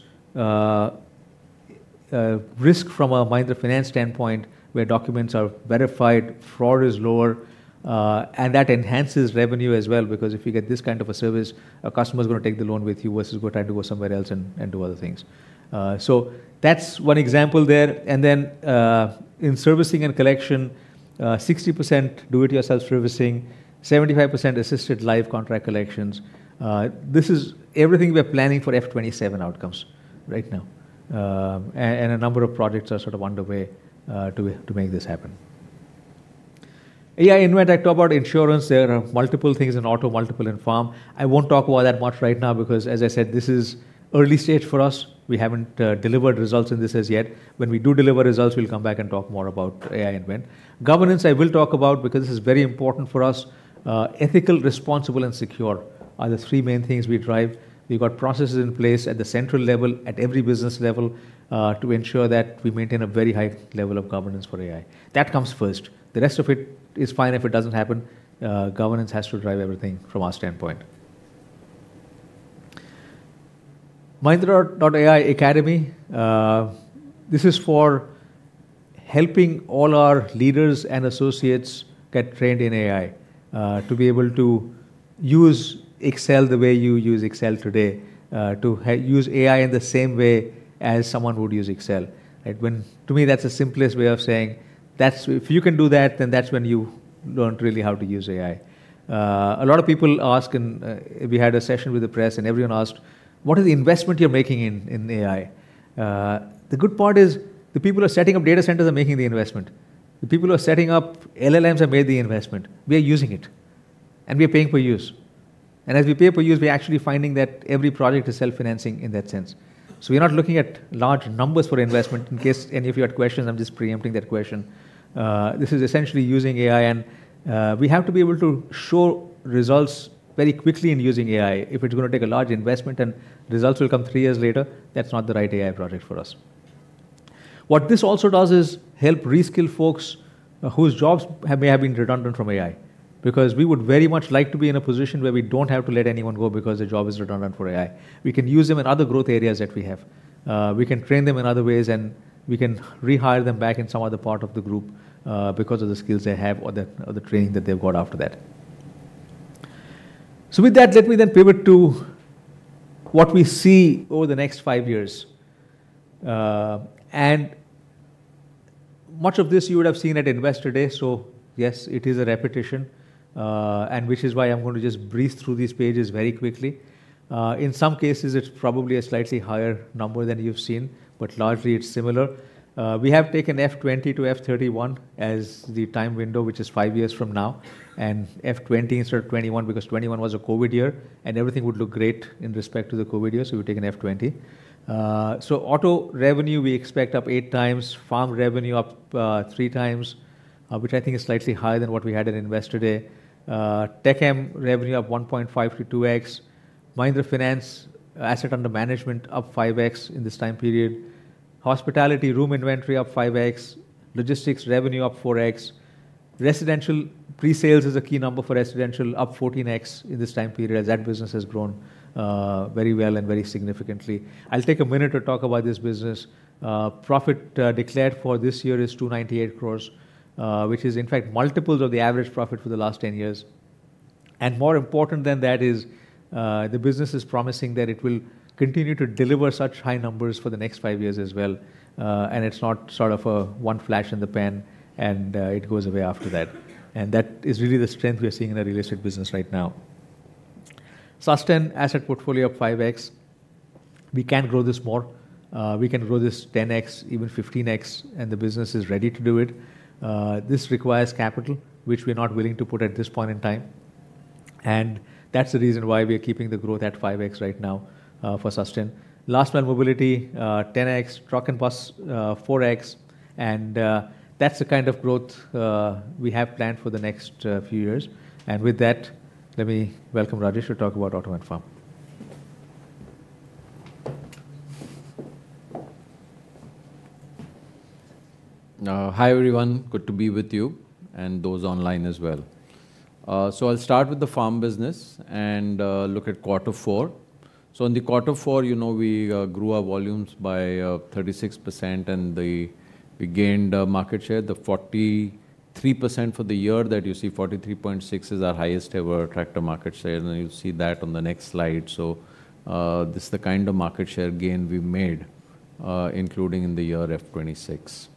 risk from a Mahindra Finance standpoint, where documents are verified, fraud is lower, and that enhances revenue as well because if you get this kind of a service, a customer's gonna take the loan with you versus go try to go somewhere else and do other things. That's one example there. Then, in servicing and collection, 60% do-it-yourself servicing, 75% assisted live contract collections. This is everything we are planning for F 2027 outcomes right now. A number of projects are sort of underway to make this happen. AI Invent. I talk about insurance. There are multiple things in auto, multiple in farm. I won't talk about that much right now because, as I said, this is early stage for us. We haven't delivered results in this as yet. When we do deliver results, we'll come back and talk more about AI Invent. Governance I will talk about because this is very important for us. Ethical, responsible, and secure are the three main things we drive. We've got processes in place at the central level, at every business level, to ensure that we maintain a very high level of governance for AI. That comes first. The rest of it is fine if it doesn't happen. Governance has to drive everything from our standpoint. Mahindra.ai Academy, this is for helping all our leaders and associates get trained in AI, to be able to use Excel the way you use Excel today, to use AI in the same way as someone would use Excel, right? When, to me, that's the simplest way of saying, if you can do that, then that's when you learned really how to use AI. A lot of people ask and we had a session with the press and everyone asked, "What is the investment you're making in AI?" The good part is the people who are setting up data centers are making the investment. The people who are setting up LLMs have made the investment. We are using it, and we are paying per use. As we pay per use, we are actually finding that every project is self-financing in that sense. We are not looking at large numbers for investment in case any of you had questions. I'm just preempting that question. This is essentially using AI, we have to be able to show results very quickly in using AI. If it's going to take a large investment and results will come three years later, that's not the right AI project for us. What this also does is help reskill folks whose jobs may have been redundant from AI, because we would very much like to be in a position where we don't have to let anyone go because their job is redundant for AI. We can use them in other growth areas that we have. We can train them in other ways, and we can rehire them back in some other part of the group, because of the skills they have or the training that they've got after that. With that, let me then pivot to what we see over the next five years. Much of this you would have seen at Investor Day. Yes, it is a repetition, and which is why I'm going to just breeze through these pages very quickly. In some cases, it's probably a slightly higher number than you've seen, but largely it's similar. We have taken F 2020 to F 2031 as the time window, which is five years from now, and F 2020 instead of F 2021 because F 2021 was a COVID year, and everything would look great in respect to the COVID year, so we've taken F 2020. Auto revenue, we expect up 8x. Farm revenue up, 3x, which I think is slightly higher than what we had at Investor Day. TechM revenue up 1.5 to 2x. Mahindra Finance asset under management up 5x in this time period. Hospitality room inventory up 5x. Logistics revenue up 4x. Residential presales is a key number for residential, up 14x in this time period, as that business has grown very well and very significantly. I'll take a minute to talk about this business. Profit declared for this year is 298 crores, which is in fact multiples of the average profit for the last 10 years. More important than that is, the business is promising that it will continue to deliver such high numbers for the next five years as well, and it's not sort of a one flash in the pan and it goes away after that. That is really the strength we are seeing in the real estate business right now. Susten asset portfolio 5x. We can grow this more. We can grow this 10x, even 15x, and the business is ready to do it. This requires capital, which we're not willing to put at this point in time, and that's the reason why we are keeping the growth at 5x right now, for Susten. Last Mile Mobility, 10x, Truck and Bus, 4x, that's the kind of growth we have planned for the next few years. With that, let me welcome Rajesh to talk about Auto & Farm. Hi, everyone. Good to be with you, and those online as well. I'll start with the farm business and look at Q4. In the Q4, you know, we grew our volumes by 36%, and we gained market share. The 43% for the year that you see, 43.6 is our highest ever tractor market share, and you'll see that on the next slide. This is the kind of market share gain we made, including in the year F 2026.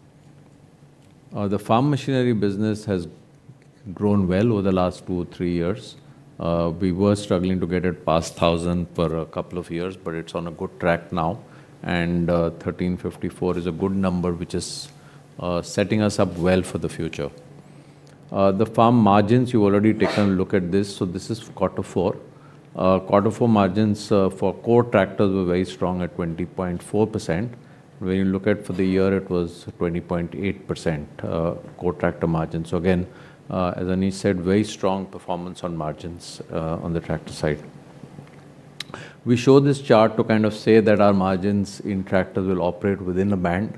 The farm machinery business has grown well over the last two, three years. We were struggling to get it past 1,000 for a couple of years, but it's on a good track now. 1,354 is a good number, which is setting us up well for the future. The farm margins, you've already taken a look at this is quarter four. Quarter four margins for core tractors were very strong at 20.4%. When you look at for the year, it was 20.8% core tractor margin. Again, as Anish said, very strong performance on margins on the tractor side. We show this chart to kind of say that our margins in tractors will operate within a band.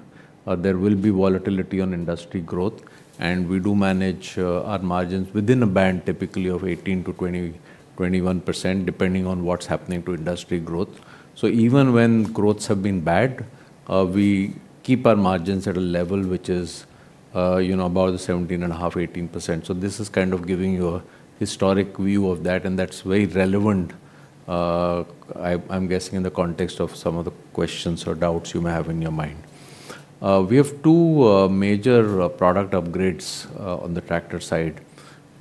There will be volatility on industry growth, we do manage our margins within a band typically of 18%-20%, 21%, depending on what's happening to industry growth. Even when growths have been bad, we keep our margins at a level which is, you know, above the 17.5%, 18%. This is kind of giving you a historic view of that, and that's very relevant, I'm guessing in the context of some of the questions or doubts you may have in your mind. We have two major product upgrades on the tractor side.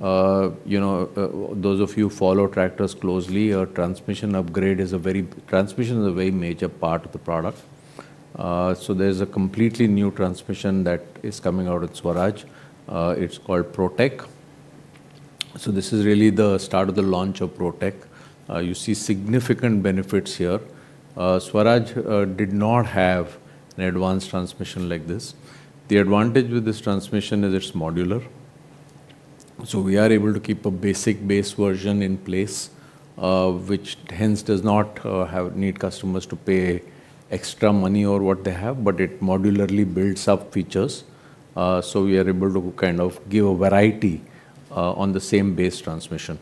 You know, those of you who follow tractors closely, our transmission upgrade is a very major part of the product. There's a completely new transmission that is coming out at Swaraj. It's called Protech. This is really the start of the launch of Protech. You see significant benefits here. Swaraj did not have an advanced transmission like this. The advantage with this transmission is it's modular, so we are able to keep a basic base version in place, which hence does not need customers to pay extra money or what they have, but it modularly builds up features. We are able to kind of give a variety on the same base transmission.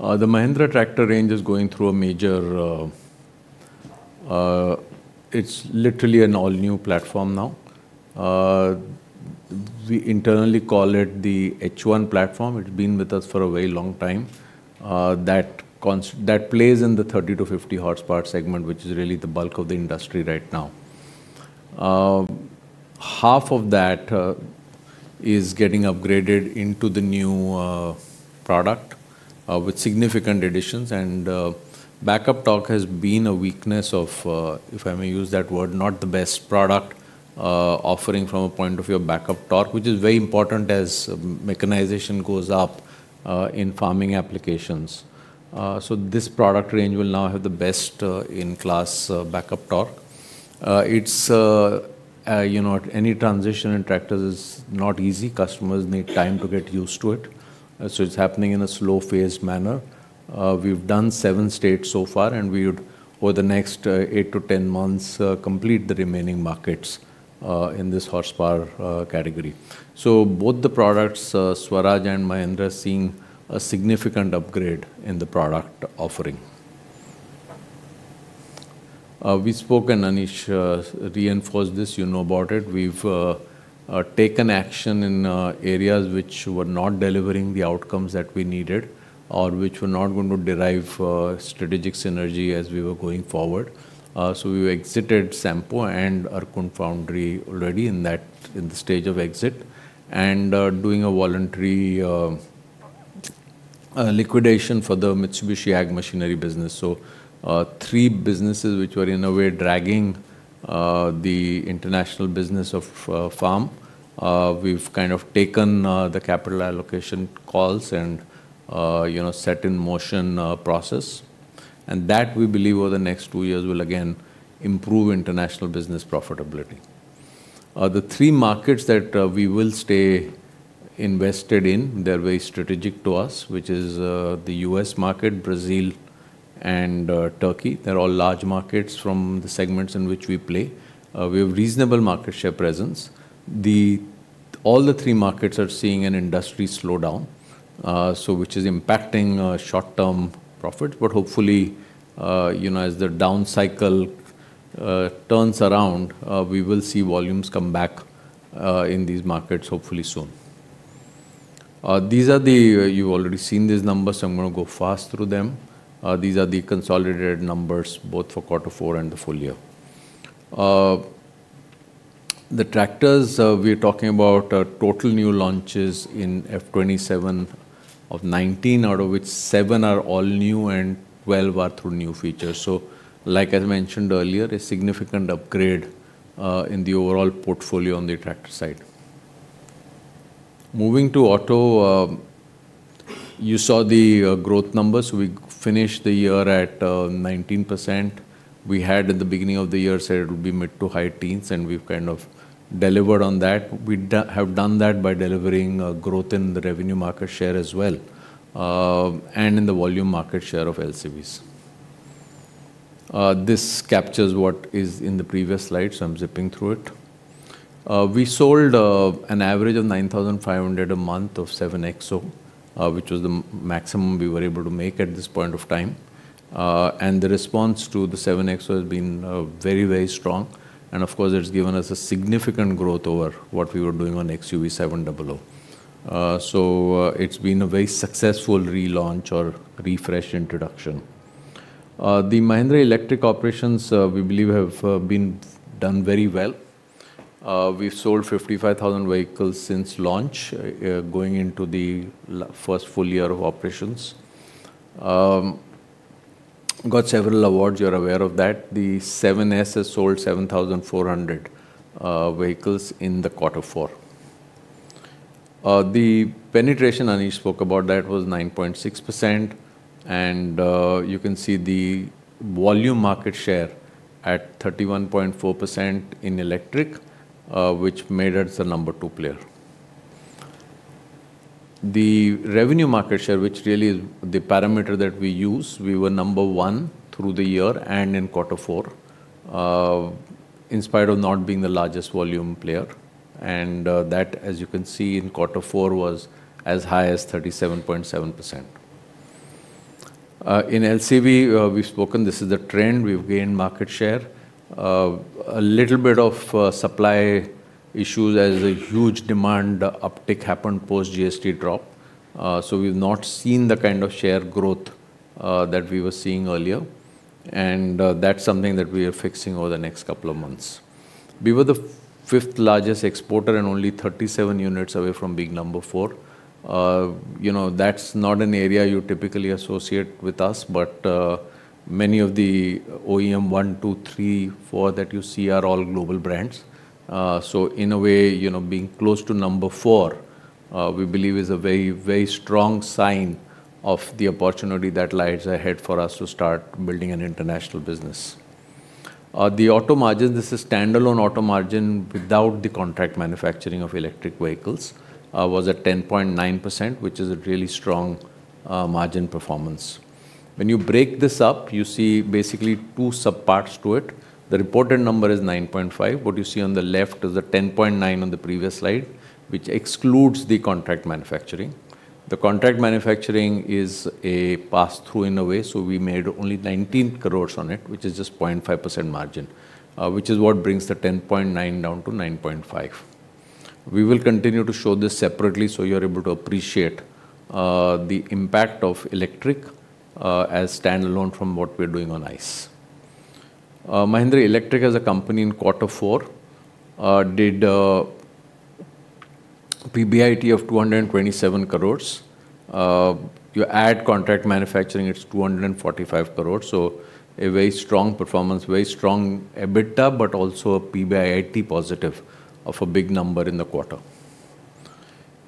The Mahindra tractor range is going through a major. It's literally an all-new platform now. We internally call it the H1 platform. It's been with us for a very long time. That plays in the 30 to 50 horsepower segment, which is really the bulk of the industry right now. Half of that is getting upgraded into the new product with significant additions. Backup torque has been a weakness of, if I may use that word, not the best product offering from a point of view of backup torque, which is very important as mechanization goes up in farming applications. This product range will now have the best in-class backup torque. It's, you know, any transition in tractors is not easy. Customers need time to get used to it, so it's happening in a slow phased manner. We've done seven states so far, and we would, over the next eight to 10 months, complete the remaining markets in this horsepower category. Both the products, Swaraj and Mahindra, are seeing a significant upgrade in the product offering. We spoke, and Anish reinforced this. You know about it. We've taken action in areas which were not delivering the outcomes that we needed or which were not going to derive strategic synergy as we were going forward. We exited Sampo and Erkunt Foundry already in that, in the stage of exit, and are doing a voluntary liquidation for the Mitsubishi Ag Machinery business. Three businesses which were in a way dragging the international business of Farm. We've kind of taken the capital allocation calls and, you know, set in motion a process. That we believe over the next two years will again improve international business profitability. The three markets that we will stay invested in, they're very strategic to us, which is the U.S. market, Brazil and Turkey. They're all large markets from the segments in which we play. We have reasonable market share presence. All three markets are seeing an industry slowdown, which is impacting short-term profit. Hopefully, you know, as the down cycle turns around, we will see volumes come back in these markets hopefully soon. You've already seen these numbers, I'm gonna go fast through them. These are the consolidated numbers both for quarter four and the full year. The tractors, we're talking about total new launches in F 2027 of 19, out of which seven are all new and 12 are through new features. Like I mentioned earlier, a significant upgrade in the overall portfolio on the tractor side. Moving to auto, you saw the growth numbers. We finished the year at 19%. We had at the beginning of the year said it would be mid to high teens, and we've kind of delivered on that. We have done that by delivering growth in the revenue market share as well, and in the volume market share of LCVs. This captures what is in the previous slide, I'm zipping through it. We sold an average of 9,500 a month of 7XO, which was the maximum we were able to make at this point of time. The response to the 7XO has been very, very strong, and of course, it's given us a significant growth over what we were doing on XUV700. It's been a very successful relaunch or refresh introduction. The Mahindra Electric operations, we believe have been done very well. We've sold 55,000 vehicles since launch, going into the first full year of operations. Got several awards, you're aware of that. The 7S has sold 7,400 vehicles in the quarter four. The penetration Anish spoke about, that was 9.6%, and you can see the volume market share at 31.4% in electric, which made us the number two player. The revenue market share, which really is the parameter that we use, we were number one through the year and in quarter four, in spite of not being the largest volume player, and that, as you can see in quarter four, was as high as 37.7%. In LCV, we've spoken, this is a trend, we've gained market share. A little bit of supply issues as a huge demand uptick happened post GST drop, so we've not seen the kind of share growth that we were seeing earlier, and that's something that we are fixing over the next couple of months. We were the fifth largest exporter and only 37 units away from being number four. You know, that's not an area you typically associate with us, but many of the OEM 1, 2, 3, 4 that you see are all global brands. In a way, you know, being close to number four, we believe is a very, very strong sign of the opportunity that lies ahead for us to start building an international business. The auto margin, this is standalone auto margin without the contract manufacturing of electric vehicles, was at 10.9%, which is a really strong margin performance. When you break this up, you see basically two sub-parts to it. The reported number is 9.5%. What you see on the left is the 10.9% on the previous slide, which excludes the contract manufacturing. The contract manufacturing is a pass-through in a way, so we made only 19 crores on it, which is just 0.5% margin, which is what brings the 10.9% down to 9.5%. We will continue to show this separately so you're able to appreciate the impact of electric as standalone from what we're doing on ICE. Mahindra Electric as a company in quarter four did a PBIT of 227 crores. You add contract manufacturing, it's 245 crores, so a very strong performance, very strong EBITDA, but also a PBIT positive of a big number in the quarter.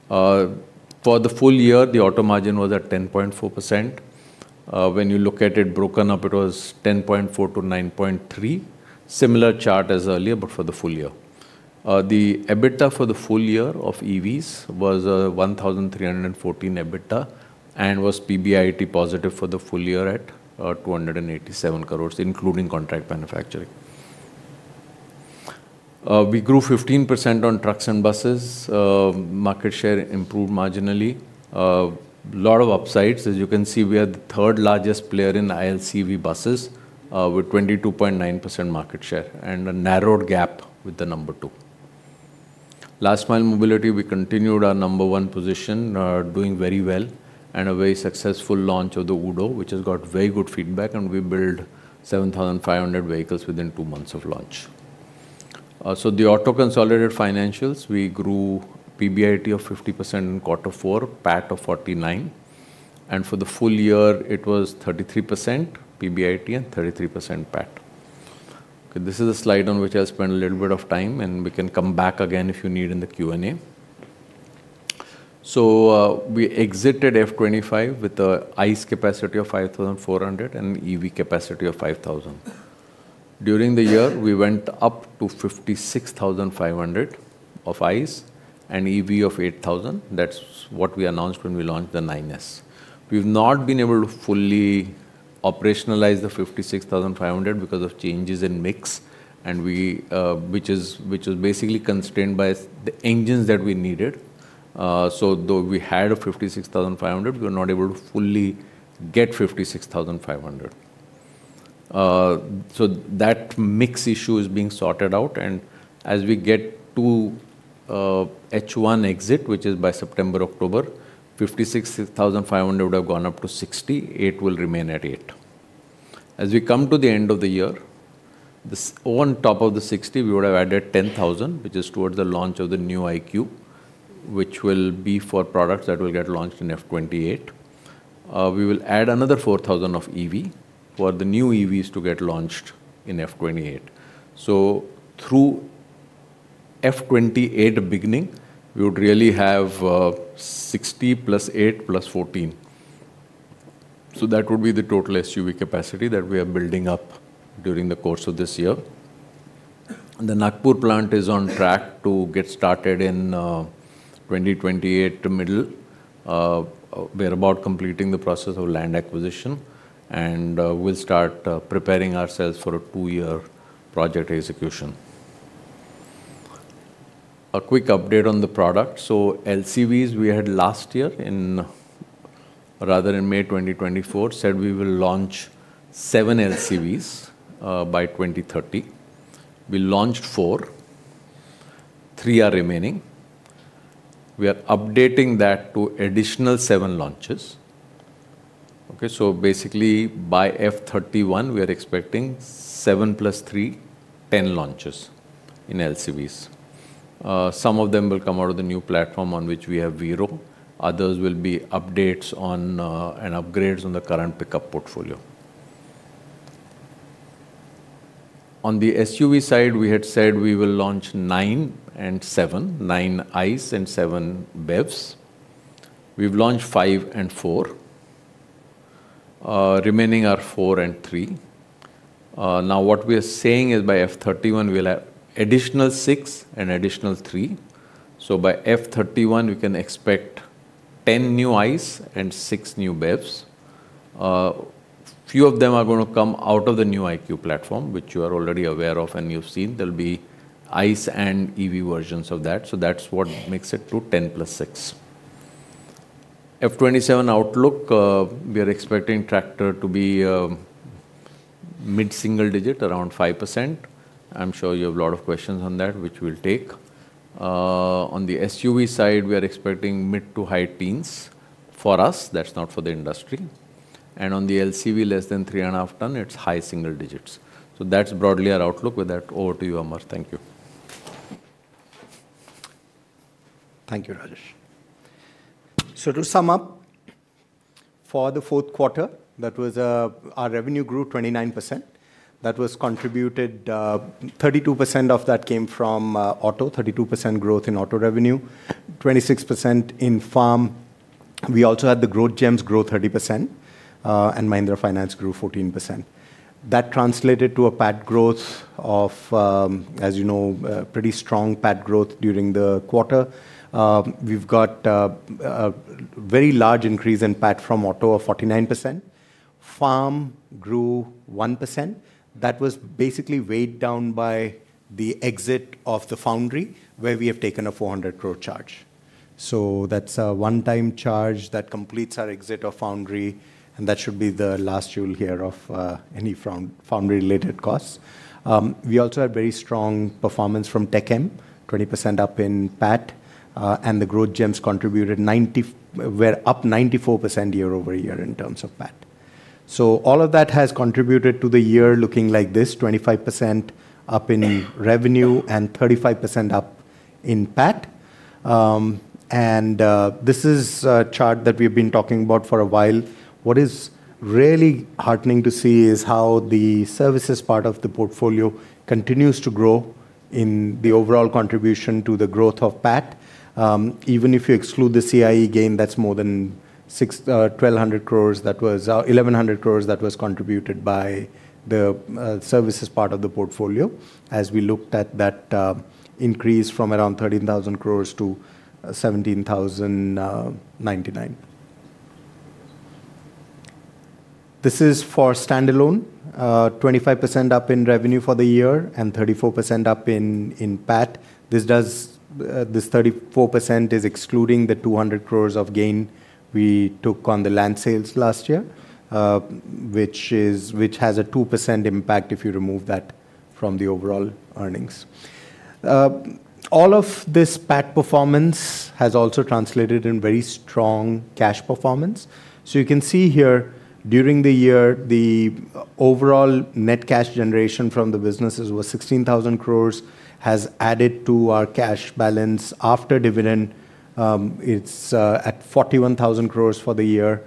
For the full year, the auto margin was at 10.4%. When you look at it broken up, it was 10.4%-9.3%. Similar chart as earlier, but for the full year. The EBITDA for the full year of EVs was 1,314 crores EBITDA and was PBIT positive for the full year at 287 crores, including contract manufacturing. We grew 15% on trucks and buses. Market share improved marginally. Lot of upsides. As you can see, we are the third largest player in ILCV buses, with 22.9% market share and a narrowed gap with the number two. Last Mile Mobility, we continued our number one position, doing very well, and a very successful launch of the UDO, which has got very good feedback, and we built 7,500 vehicles within two months of launch. The auto consolidated financials, we grew PBIT of 50% in quarter four, PAT of 49%, and for the full year it was 33% PBIT and 33% PAT. This is a slide on which I'll spend a little bit of time, and we can come back again if you need in the Q&A. We exited F 2025 with the ICE capacity of 5,400 and EV capacity of 5,000. During the year, we went up to 56,500 of ICE and EV of 8,000. That's what we announced when we launched the XEV 9S. We've not been able to fully operationalize the 56,500 because of changes in mix, we which is basically constrained by the engines that we needed. Though we had a 56,500, we are not able to fully get 56,500. That mix issue is being sorted out, as we get to H1 exit, which is by September, October, 56,500 would have gone up to 60, eight will remain at eight. As we come to the end of the year, on top of the 60, we would have added 10,000, which is towards the launch of the new iQube, which will be for products that will get launched in F 2028. We will add another 4,000 of EV for the new EVs to get launched in F 2028. Through F 2028 beginning, we would really have 60+8+14. That would be the total SUV capacity that we are building up during the course of this year. The Nagpur plant is on track to get started in 2028 middle. We're about completing the process of land acquisition, and we'll start preparing ourselves for a two-year project execution. A quick update on the product. LCVs we had last year rather in May 2024, said we will launch 7 LCVs by 2030. We launched four, three are remaining. We are updating that to additional seven launches. Okay? Basically by F 2031 we are expecting 7+3, 10 launches in LCVs. Some of them will come out of the new platform on which we have eVerito, others will be updates on and upgrades on the current pickup portfolio. On the SUV side, we had said we will launch nine and seven, nine ICE and seven BEVs. We've launched five and four. Remaining are four and three. Now what we are saying is by F 2031 we will have additional six and additional three. By F 2031 we can expect 10 new ICE and six new BEVs. Few of them are gonna come out of the new INGLO Platform, which you are already aware of and you've seen. There'll be ICE and EV versions of that, so that's what makes it to 10+6. F 2027 outlook, we are expecting tractor to be mid-single digit, around 5%. I'm sure you have a lot of questions on that, which we'll take. On the SUV side, we are expecting mid to high teens. For us, that's not for the industry. On the LCV less than 3.5 t, it's high single digits. That's broadly our outlook. With that, over to you, Amar. Thank you. Thank you, Rajesh. To sum up, for the fourth quarter, that was, our revenue grew 29%. That was contributed, 32% of that came from auto, 32% growth in auto revenue, 26% in farm. We also had the Growth Gems grow 30%, and Mahindra Finance grew 14%. That translated to a PAT growth of, as you know, pretty strong PAT growth during the quarter. We've got a very large increase in PAT from auto of 49%. Farm grew 1%. That was basically weighed down by the exit of the foundry, where we have taken a 400 crore charge. That's a one-time charge that completes our exit of foundry, and that should be the last you'll hear of any foundry related costs. We also had very strong performance from TechM, 20% up in PAT, and the Growth Gems were up 94% year-over-year in terms of PAT. All of that has contributed to the year looking like this, 25% up in revenue and 35% up in PAT. This is a chart that we've been talking about for a while. What is really heartening to see is how the services part of the portfolio continues to grow in the overall contribution to the growth of PAT. Even if you exclude the CIE gain, that's more than 1,200 crore, that was 1,100 crore that was contributed by the services part of the portfolio as we looked at that increase from around 13,000 crore to 17,099 crore. This is for standalone, 25% up in revenue for the year and 34% up in PAT. This does, this 34% is excluding the 200 crores of gain we took on the land sales last year, which has a 2% impact if you remove that from the overall earnings. All of this PAT performance has also translated in very strong cash performance. You can see here, during the year, the overall net cash generation from the businesses was 16,000 crores, has added to our cash balance after dividend. It's at 41,000 crores for the year,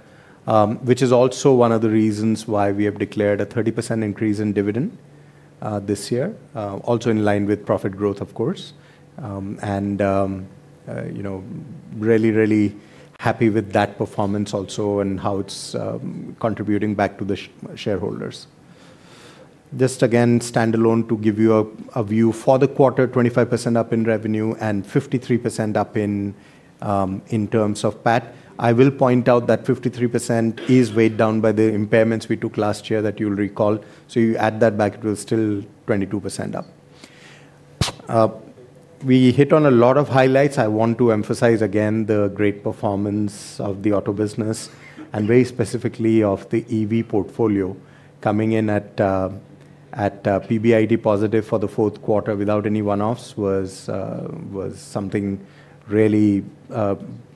which is also one of the reasons why we have declared a 30% increase in dividend this year. Also in line with profit growth, of course. You know, really, really happy with that performance also and how it's contributing back to the shareholders. Just again, standalone to give you a view for the quarter, 25% up in revenue and 53% up in terms of PAT. I will point out that 53% is weighed down by the impairments we took last year that you'll recall. You add that back, it was still 22% up. We hit on a lot of highlights. I want to emphasize again the great performance of the auto business and very specifically of the EV portfolio coming in at PBIT positive for the fourth quarter without any one-offs was something really.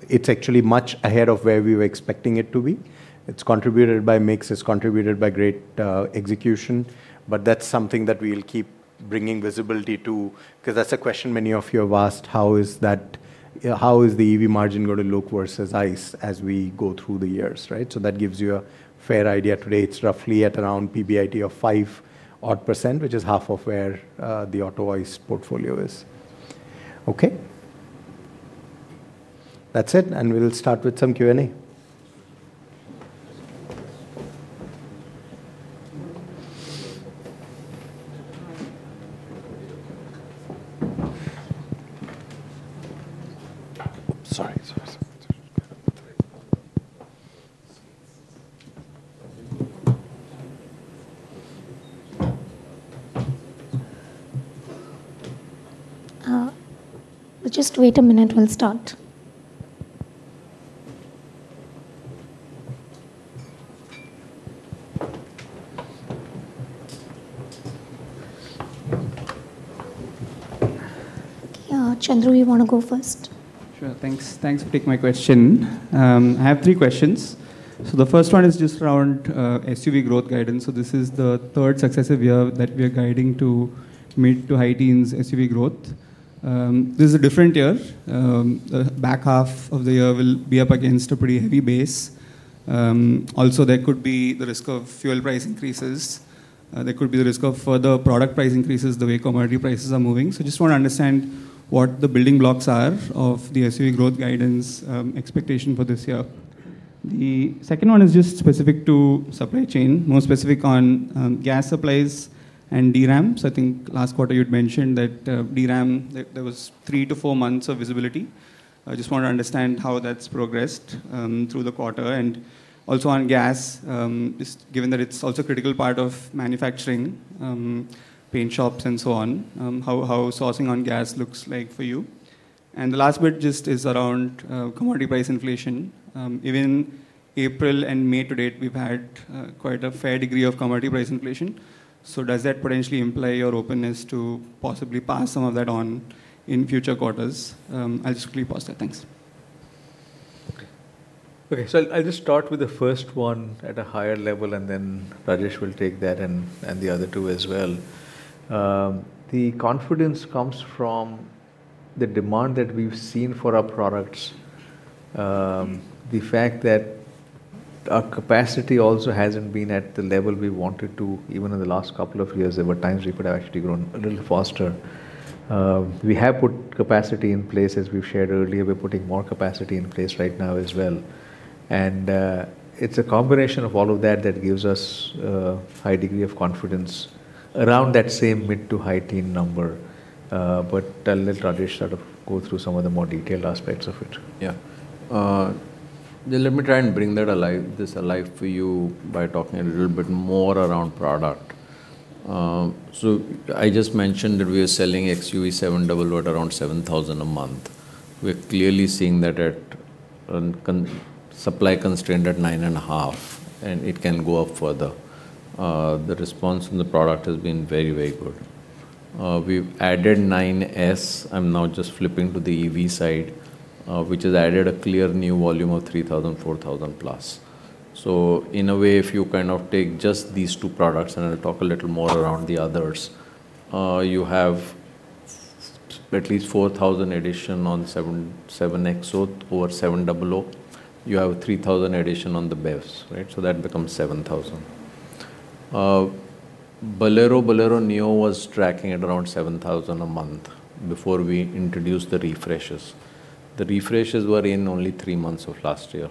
It's actually much ahead of where we were expecting it to be. It's contributed by mix, it's contributed by great execution. That's something that we'll keep bringing visibility to because that's a question many of you have asked, "How is the EV margin gonna look versus ICE as we go through the years?" Right? That gives you a fair idea. Today, it's roughly at around PBIT of five odd percent, which is half of where the auto ICE portfolio is. Okay. That's it. We'll start with some Q&A. Sorry. Sorry. Just wait a minute. We'll start. Yeah, Chandru, you wanna go first? Sure. Thanks. Thanks for taking my question. I have three questions. The first one is just around SUV growth guidance. This is the third successive year that we are guiding to mid to high teens SUV growth. This is a different year. The back half of the year will be up against a pretty heavy base. Also, there could be the risk of fuel price increases. There could be the risk of further product price increases, the way commodity prices are moving. Just want to understand what the building blocks are of the SUV growth guidance expectation for this year. The second one is just specific to supply chain, more specific on gas supplies and DRAMs. I think last quarter you'd mentioned that DRAM, there was three to four months of visibility. I just want to understand how that's progressed through the quarter. Also on gas, just given that it's also a critical part of manufacturing, paint shops and so on, how sourcing on gas looks like for you. The last bit just is around commodity price inflation. Even April and May to date, we've had quite a fair degree of commodity price inflation. Does that potentially imply your openness to possibly pass some of that on in future quarters? I'll just quickly pause there. Thanks. Okay. Okay. I'll just start with the first one at a higher level. Then Rajesh will take that and the other two as well. The confidence comes from the demand that we've seen for our products. The fact that our capacity also hasn't been at the level we want it to, even in the last couple of years, there were times we could have actually grown a little faster. We have put capacity in place, as we've shared earlier. We're putting more capacity in place right now as well. It's a combination of all of that that gives us a high degree of confidence around that same mid to high teen number. I'll let Rajesh sort of go through some of the more detailed aspects of it. Let me try and bring this alive for you by talking a little bit more around product. I just mentioned that we are selling XUV700 at around 7,000 a month. We're clearly seeing that at supply constrained at 9,500, and it can go up further. The response from the product has been very, very good. We've added XEV 9S. I'm now just flipping to the EV side, which has added a clear new volume of 3,000, 4,000+. In a way, if you kind of take just these two products, and I'll talk a little more around the others, you have at least 4,000 addition on XUV 7XO or XUV700. You have 3,000 addition on the BEVs, right? That becomes 7,000. Bolero Neo was tracking at around 7,000 a month before we introduced the refreshes. The refreshes were in only three months of last year.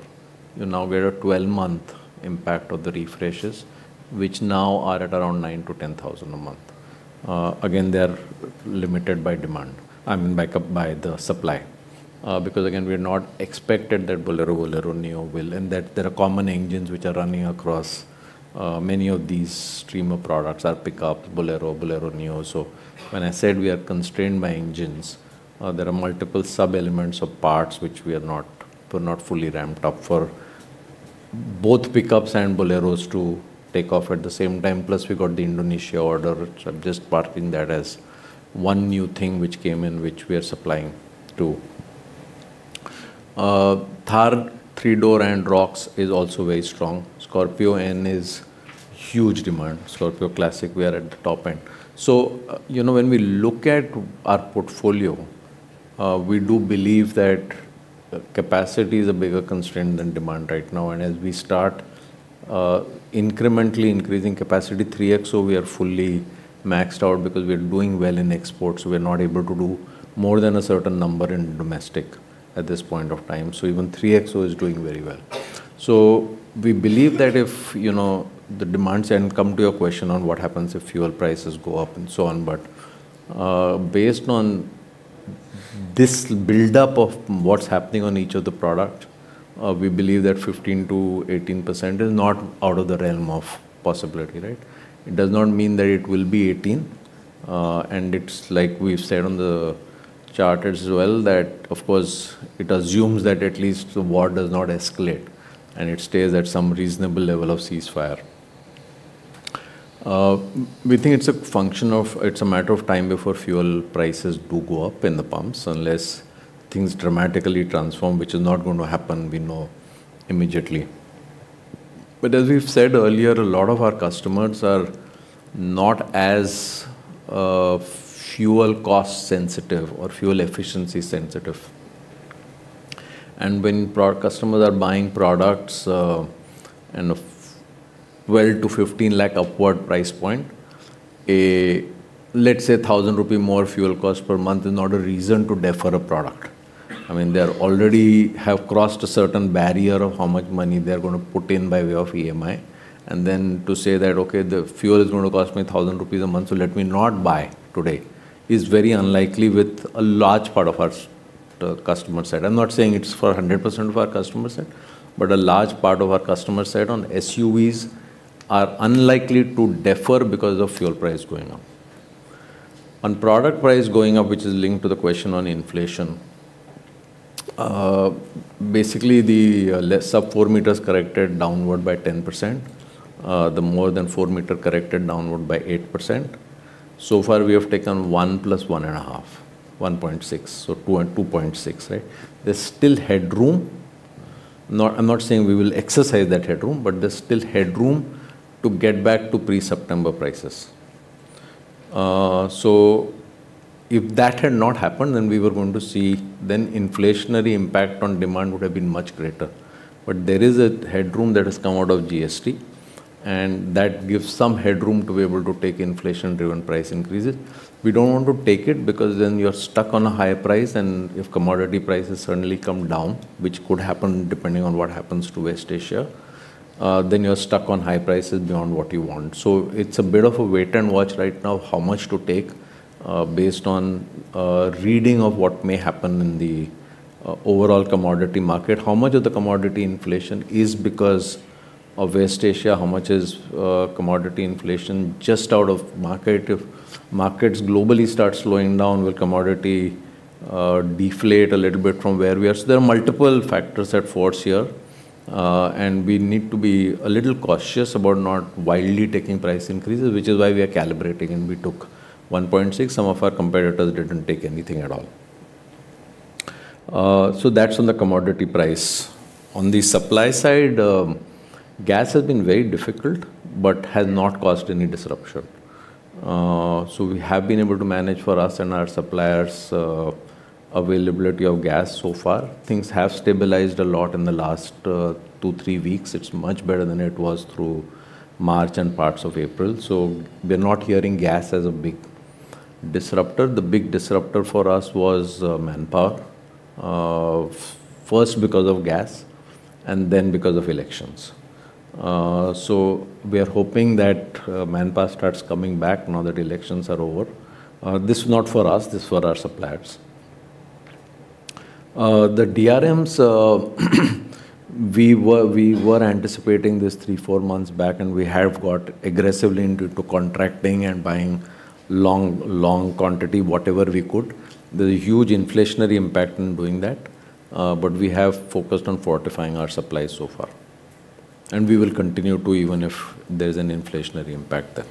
Now we're at 12-month impact of the refreshes, which now are at around 9,000-10,000 a month. Again, they are limited by demand. I mean, back up by the supply. Because again, we're not expected that Bolero Neo will, and that there are common engines which are running across many of these stream of products, our pickup, Bolero Neo. When I said we are constrained by engines, there are multiple sub-elements of parts which we are not, we're not fully ramped up for both pickups and Boleros to take off at the same time, plus we got the Indonesia order. I'm just parking that as one new thing which came in, which we are supplying to. Thar three-door and Roxx is also very strong. Scorpio-N is huge demand. Scorpio Classic, we are at the top end. You know, when we look at our portfolio, we do believe that capacity is a bigger constraint than demand right now. As we start incrementally increasing capacity, 3XO, we are fully maxed out because we are doing well in exports. We're not able to do more than a certain number in domestic at this point of time. Even 3XO is doing very well. We believe that if, you know, the demands, and come to your question on what happens if fuel prices go up and so on, but, based on this buildup of what's happening on each of the product, we believe that 15%-18% is not out of the realm of possibility, right. It does not mean that it will be 18, and it's like we've said on the chart as well, that of course it assumes that at least the war does not escalate, and it stays at some reasonable level of ceasefire. We think it's a matter of time before fuel prices do go up in the pumps, unless things dramatically transform, which is not going to happen, we know, immediately. As we've said earlier, a lot of our customers are not as fuel cost sensitive or fuel efficiency sensitive. When customers are buying products in an 12 lakh-15 lakh upward price point, a let's say 1,000 rupee more fuel cost per month is not a reason to defer a product. I mean, they already have crossed a certain barrier of how much money they're gonna put in by way of EMI. Then to say that, "Okay, the fuel is gonna cost me 1,000 rupees a month, so let me not buy today," is very unlikely with a large part of our customer set. I'm not saying it's for a 100% of our customer set, but a large part of our customer set on SUVs are unlikely to defer because of fuel price going up. On product price going up, which is linked to the question on inflation, basically the less sub 4 m corrected downward by 10%, the more than 4 m corrected downward by 8%. So far, we have taken 1+1.5, 1.6. 2 and 2.6, right? There's still headroom. I'm not saying we will exercise that headroom, but there's still headroom to get back to pre-September prices. If that had not happened, then inflationary impact on demand would have been much greater. There is a headroom that has come out of GST, and that gives some headroom to be able to take inflation-driven price increases. We don't want to take it because then you're stuck on a higher price. If commodity prices suddenly come down, which could happen depending on what happens to West Asia, then you're stuck on high prices beyond what you want. It's a bit of a wait and watch right now, how much to take based on a reading of what may happen in the overall commodity market. How much of the commodity inflation is because of West Asia? How much is commodity inflation just out of market? If markets globally start slowing down, will commodity deflate a little bit from where we are? There are multiple factors at force here. We need to be a little cautious about not wildly taking price increases, which is why we are calibrating. We took 1.6. Some of our competitors didn't take anything at all. That's on the commodity price. On the supply side, gas has been very difficult, but has not caused any disruption. We have been able to manage for us and our suppliers, availability of gas so far. Things have stabilized a lot in the last two, three weeks. It's much better than it was through March and parts of April. We're not hearing gas as a big disruptor. The big disruptor for us was manpower. First because of gas and then because of elections. We are hoping that manpower starts coming back now that elections are over. This is not for us. This is for our suppliers. The DRAMs, we were anticipating this three, four months back, and we have got aggressively into contracting and buying long quantity, whatever we could. There's a huge inflationary impact in doing that, but we have focused on fortifying our supply so far. We will continue to, even if there's an inflationary impact there.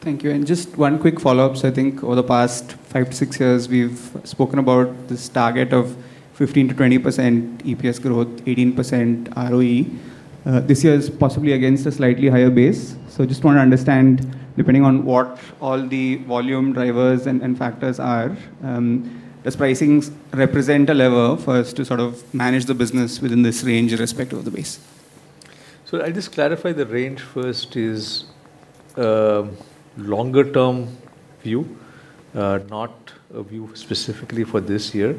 Thank you. Just 1 quick follow-up. I think over the past 5-6 years, we've spoken about this target of 15%-20% EPS growth, 18% ROE. This year is possibly against a slightly higher base. Just want to understand, depending on what all the volume drivers and factors are, does pricing represent a lever for us to sort of manage the business within this range irrespective of the base? I'll just clarify the range first is longer term view, not a view specifically for this year.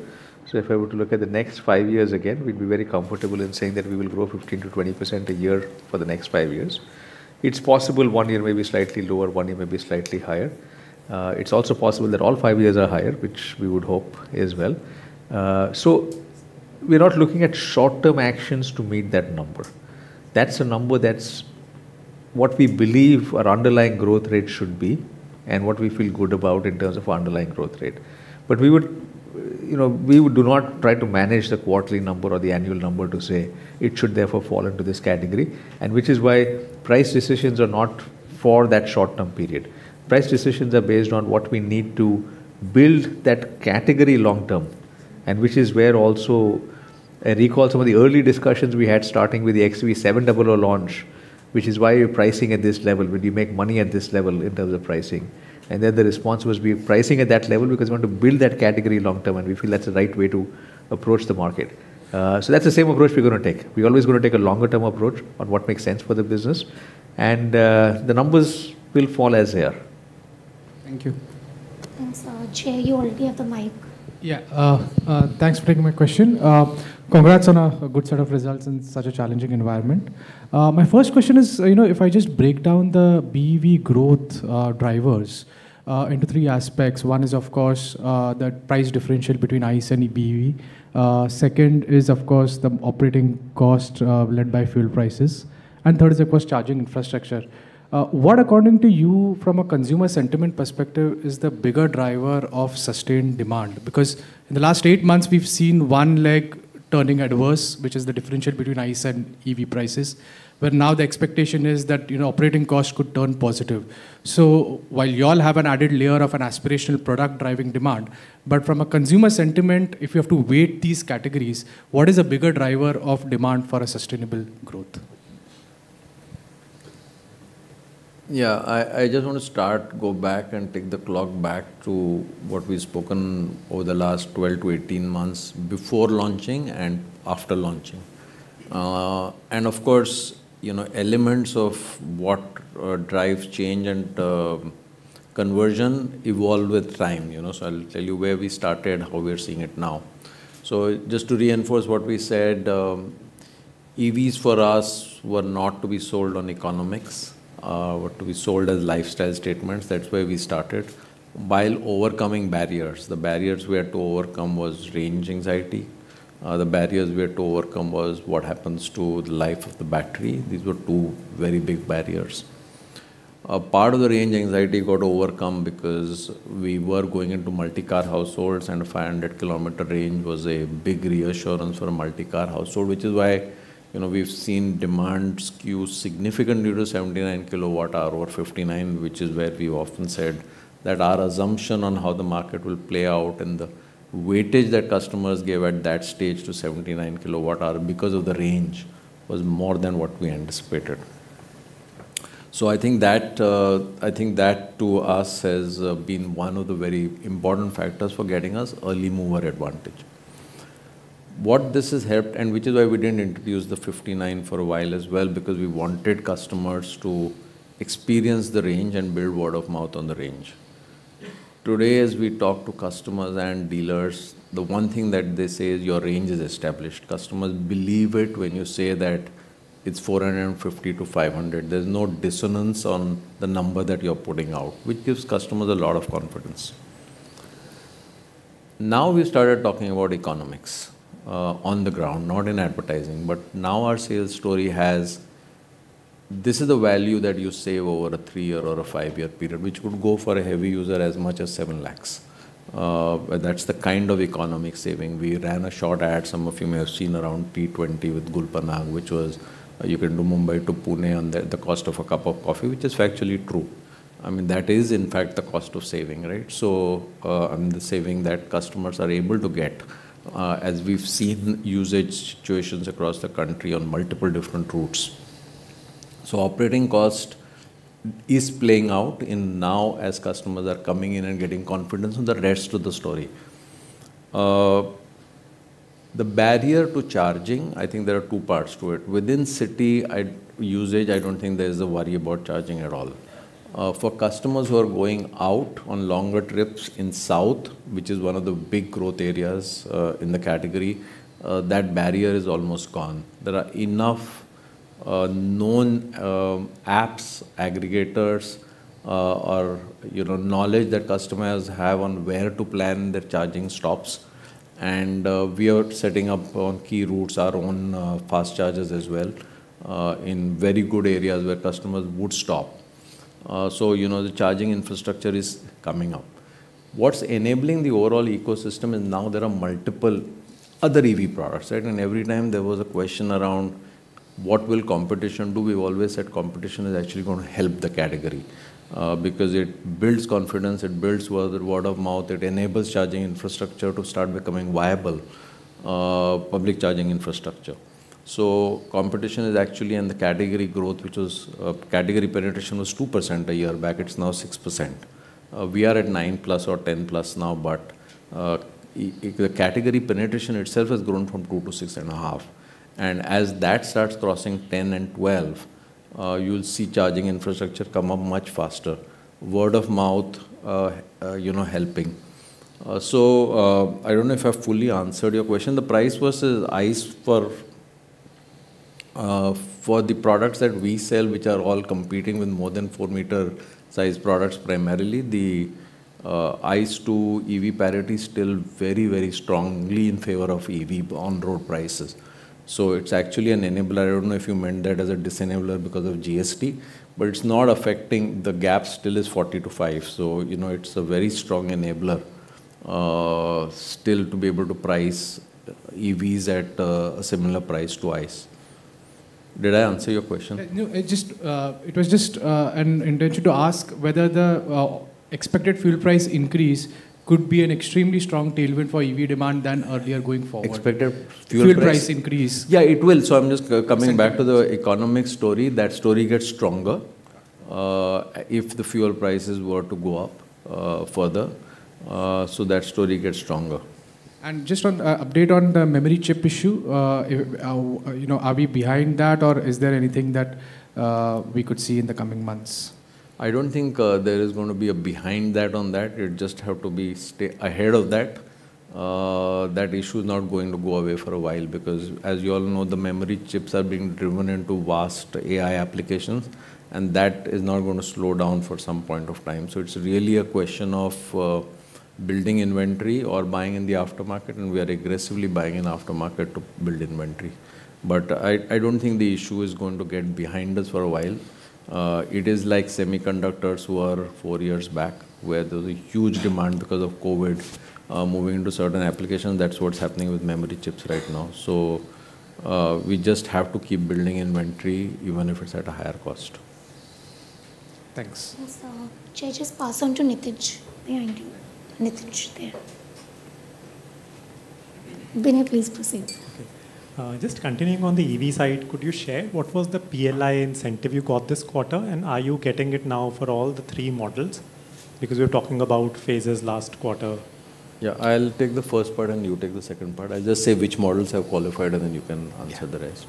If I were to look at the next five years, again, we'd be very comfortable in saying that we will grow 15%-20% a year for the next five years. It's possible one year may be slightly lower, one year may be slightly higher. It's also possible that all five years are higher, which we would hope as well. We're not looking at short-term actions to meet that number. That's a number that's what we believe our underlying growth rate should be and what we feel good about in terms of underlying growth rate. We would, you know, do not try to manage the quarterly number or the annual number to say it should therefore fall into this category, and which is why price decisions are not for that short-term period. Price decisions are based on what we need to build that category long term, and which is where also recall some of the early discussions we had starting with the XUV700 launch, which is why you're pricing at this level. Would you make money at this level in terms of pricing? The response was we're pricing at that level because we want to build that category long term, and we feel that's the right way to approach the market. That's the same approach we are going to take. We're always going to take a longer term approach on what makes sense for the business, and the numbers will fall as they are. Thank you. Thanks. Jay, you already have the mic. Thanks for taking my question. Congrats on a good set of results in such a challenging environment. My first question is, you know, if I just break down the BEV growth drivers into three aspects. One is, of course, the price differential between ICE and EV. Second is, of course, the operating cost led by fuel prices. Third is, of course, charging infrastructure. What, according to you, from a consumer sentiment perspective, is the bigger driver of sustained demand? Because in the last eight months we've seen one leg turning adverse, which is the differential between ICE and EV prices, but now the expectation is that, you know, operating costs could turn positive. While y'all have an added layer of an aspirational product driving demand, from a consumer sentiment, if you have to weight these categories, what is a bigger driver of demand for a sustainable growth? I just want to start, go back and take the clock back to what we've spoken over the last 12 to 18 months before launching and after launching. Of course, you know, elements of what drives change and conversion evolve with time, you know? I'll tell you where we started, how we are seeing it now. Just to reinforce what we said, EVs for us were not to be sold on economics, were to be sold as lifestyle statements. That's where we started. While overcoming barriers, the barriers we had to overcome was range anxiety. The barriers we had to overcome was what happens to the life of the battery. These were two very big barriers. A part of the range anxiety got overcome because we were going into multi-car households, and a 500-km range was a big reassurance for a multi-car household, which is why, you know, we've seen demand skew significantly to 79 kW-hour or 59, which is where we've often said that our assumption on how the market will play out and the weightage that customers gave at that stage to 79 kW-hour because of the range, was more than what we anticipated. I think that to us has been one of the very important factors for getting us early mover advantage. What this has helped, and which is why we didn't introduce the 59 for a while as well, because we wanted customers to experience the range and build word of mouth on the range. Today, as we talk to customers and dealers, the one thing that they say is, "Your range is established." Customers believe it when you say that it's 450-500. There's no dissonance on the number that you're putting out, which gives customers a lot of confidence. Now we started talking about economics on the ground, not in advertising. Now our sales story has This is the value that you save over a three-year or a five-year period, which would go for a heavy user as much as 7 lakhs. And that's the kind of economic saving. We ran a short ad, some of you may have seen around e2o with Gul Panag, which was, you can do Mumbai to Pune on the cost of a cup of coffee, which is factually true. I mean, that is in fact the cost of saving, right. The saving that customers are able to get, as we've seen usage situations across the country on multiple different routes. Operating cost is playing out in now as customers are coming in and getting confidence, and the rest of the story. The barrier to charging, I think there are two parts to it. Within city usage, I don't think there's a worry about charging at all. For customers who are going out on longer trips in south, which is one of the big growth areas, in the category, that barrier is almost gone. There are enough, known apps, aggregators, or, you know, knowledge that customers have on where to plan their charging stops. We are setting up on key routes our own fast chargers as well, in very good areas where customers would stop. You know, the charging infrastructure is coming up. What's enabling the overall ecosystem, and now there are multiple other EV products, right? Every time there was a question around what will competition do? We've always said competition is actually gonna help the category, because it builds confidence, it builds word of mouth, it enables charging infrastructure to start becoming viable, public charging infrastructure. Competition is actually in the category growth, which was, category penetration was 2% a year back. It's now 6%. We are at 9%+ or 10%+ now, but the category penetration itself has grown from 2% to 6.5%. As that starts crossing 10% and 12%, you'll see charging infrastructure come up much faster. Word of mouth, you know, helping. I don't know if I've fully answered your question. The price versus ICE for the products that we sell, which are all competing with more than four-meter size products, primarily the ICE to EV parity is still very, very strongly in favor of EV on road prices. It's actually an enabler. I don't know if you meant that as a dis-enabler because of GST, but it's not affecting, the gap still is 40 to five. You know, it's a very strong enabler, still to be able to price EVs at a similar price to ICE. Did I answer your question? No, it just, it was just an intention to ask whether the expected fuel price increase could be an extremely strong tailwind for EV demand than earlier going forward? Expected fuel price. Fuel price increase. Yeah, it will. I'm just coming back to the economic story. That story gets stronger, if the fuel prices were to go up, further, that story gets stronger. Just one update on the memory chip issue. If, you know, are we behind that or is there anything that we could see in the coming months? I don't think there is going to be a behind that on that. You just have to stay ahead of that. That issue is not going to go away for a while because as you all know, the memory chips are being driven into vast AI applications, and that is not going to slow down for some point of time. It's really a question of building inventory or buying in the aftermarket, and we are aggressively buying in aftermarket to build inventory. I don't think the issue is going to get behind us for a while. It is like semiconductors were four years back where there was a huge demand because of COVID, moving into certain applications. That's what's happening with memory chips right now. We just have to keep building inventory even if it's at a higher cost. Thanks. Yes, shall I just pass on to Nitesh behind you? Nitesh there. Vineet, please proceed. Okay. Just continuing on the EV side, could you share what was the PLI incentive you got this quarter, and are you getting it now for all the three models? Because you were talking about phases last quarter. Yeah. I'll take the first part and you take the second part. I'll just say which models have qualified, and then you can answer the rest.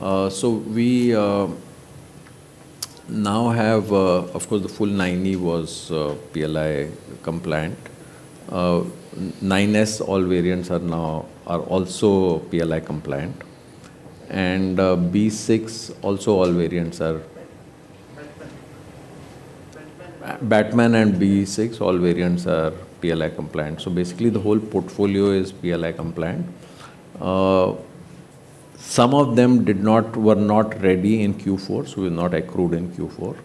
Yeah. We now have, of course the full 9e was PLI compliant. 9S all variants are now also PLI compliant. BE 6 also all variants are. Batman and BE 6, all variants are PLI compliant. Basically the whole portfolio is PLI compliant. Some of them were not ready in Q4, so were not accrued in Q4.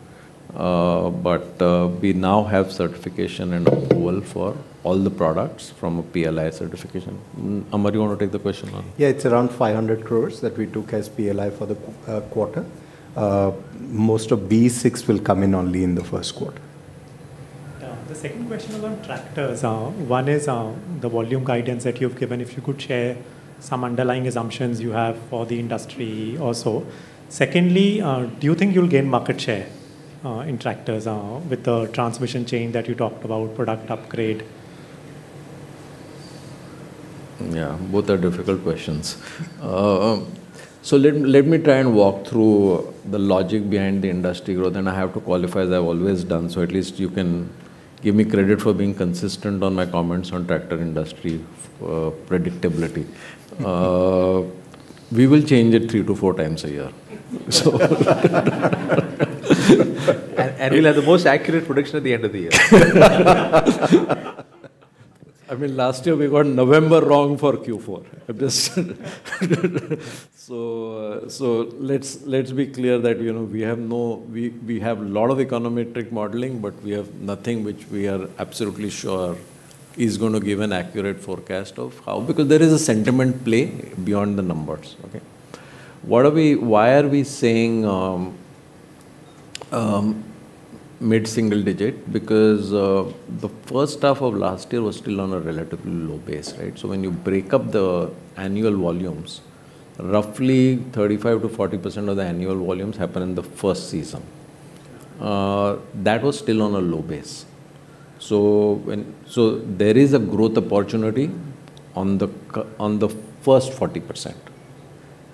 We now have certification and approval for all the products from a PLI certification. Amar, do you wanna take the question on? Yeah. It's around 500 crores that we took as PLI for the quarter. Most of BE 6 will come in only in the first quarter. Yeah. The second question is on tractors. One is, the volume guidance that you've given, if you could share some underlying assumptions you have for the industry also. Secondly, do you think you'll gain market share in tractors with the transmission chain that you talked about, product upgrade? Yeah, both are difficult questions. Let me try and walk through the logic behind the industry growth, and I have to qualify as I've always done, so at least you can give me credit for being consistent on my comments on tractor industry predictability. We will change it three to four times a year. We'll have the most accurate prediction at the end of the year. I mean, last year we got November wrong for Q4. Let's be clear that, you know, we have lot of econometric modeling, but we have nothing which we are absolutely sure is gonna give an accurate forecast of how, because there is a sentiment play beyond the numbers. Okay? Why are we saying mid-single digit? The first half of last year was still on a relatively low base, right? When you break up the annual volumes, roughly 35%-40% of the annual volumes happen in the first season. That was still on a low base. There is a growth opportunity on the first 40%,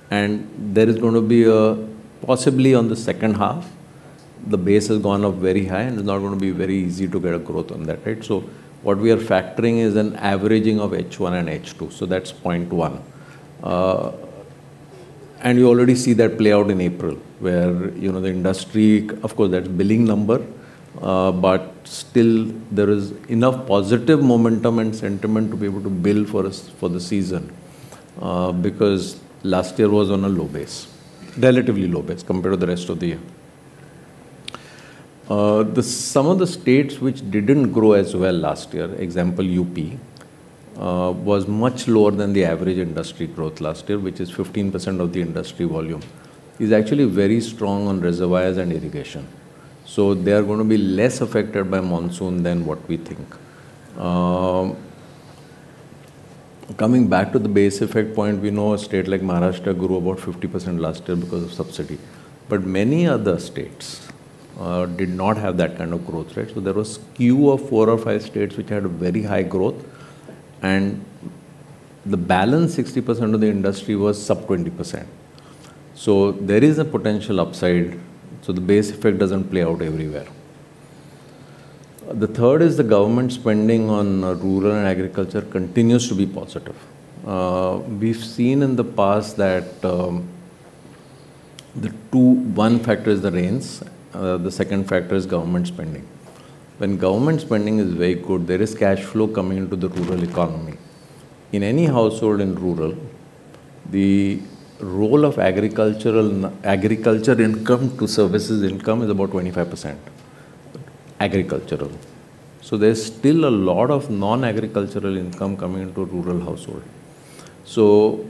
there is gonna be a possibly on the second half, the base has gone up very high, and it's not gonna be very easy to get a growth on that, right? What we are factoring is an averaging of H1 and H2. That's point one. You already see that play out in April where, you know, the industry, of course, that's billing number, but still there is enough positive momentum and sentiment to be able to bill for the season, because last year was on a low base, relatively low base compared to the rest of the year. The some of the states which didn't grow as well last year, example, U.P., was much lower than the average industry growth last year, which is 15% of the industry volume, is actually very strong on reservoirs and irrigation. They are gonna be less affected by monsoon than what we think. Coming back to the base effect point, we know a state like Maharashtra grew about 50% last year because of subsidy, but many other states did not have that kind of growth, right. There was skew of four or five states which had a very high growth, and the balance 60% of the industry was sub 20%. There is a potential upside, so the base effect doesn't play out everywhere. The third is the government spending on rural and agriculture continues to be positive. We've seen in the past that one factor is the rains. The second factor is government spending. When government spending is very good, there is cash flow coming into the rural economy. In any household in rural, the role of agricultural income to services income is about 25% agricultural. There's still a lot of non-agricultural income coming into a rural household.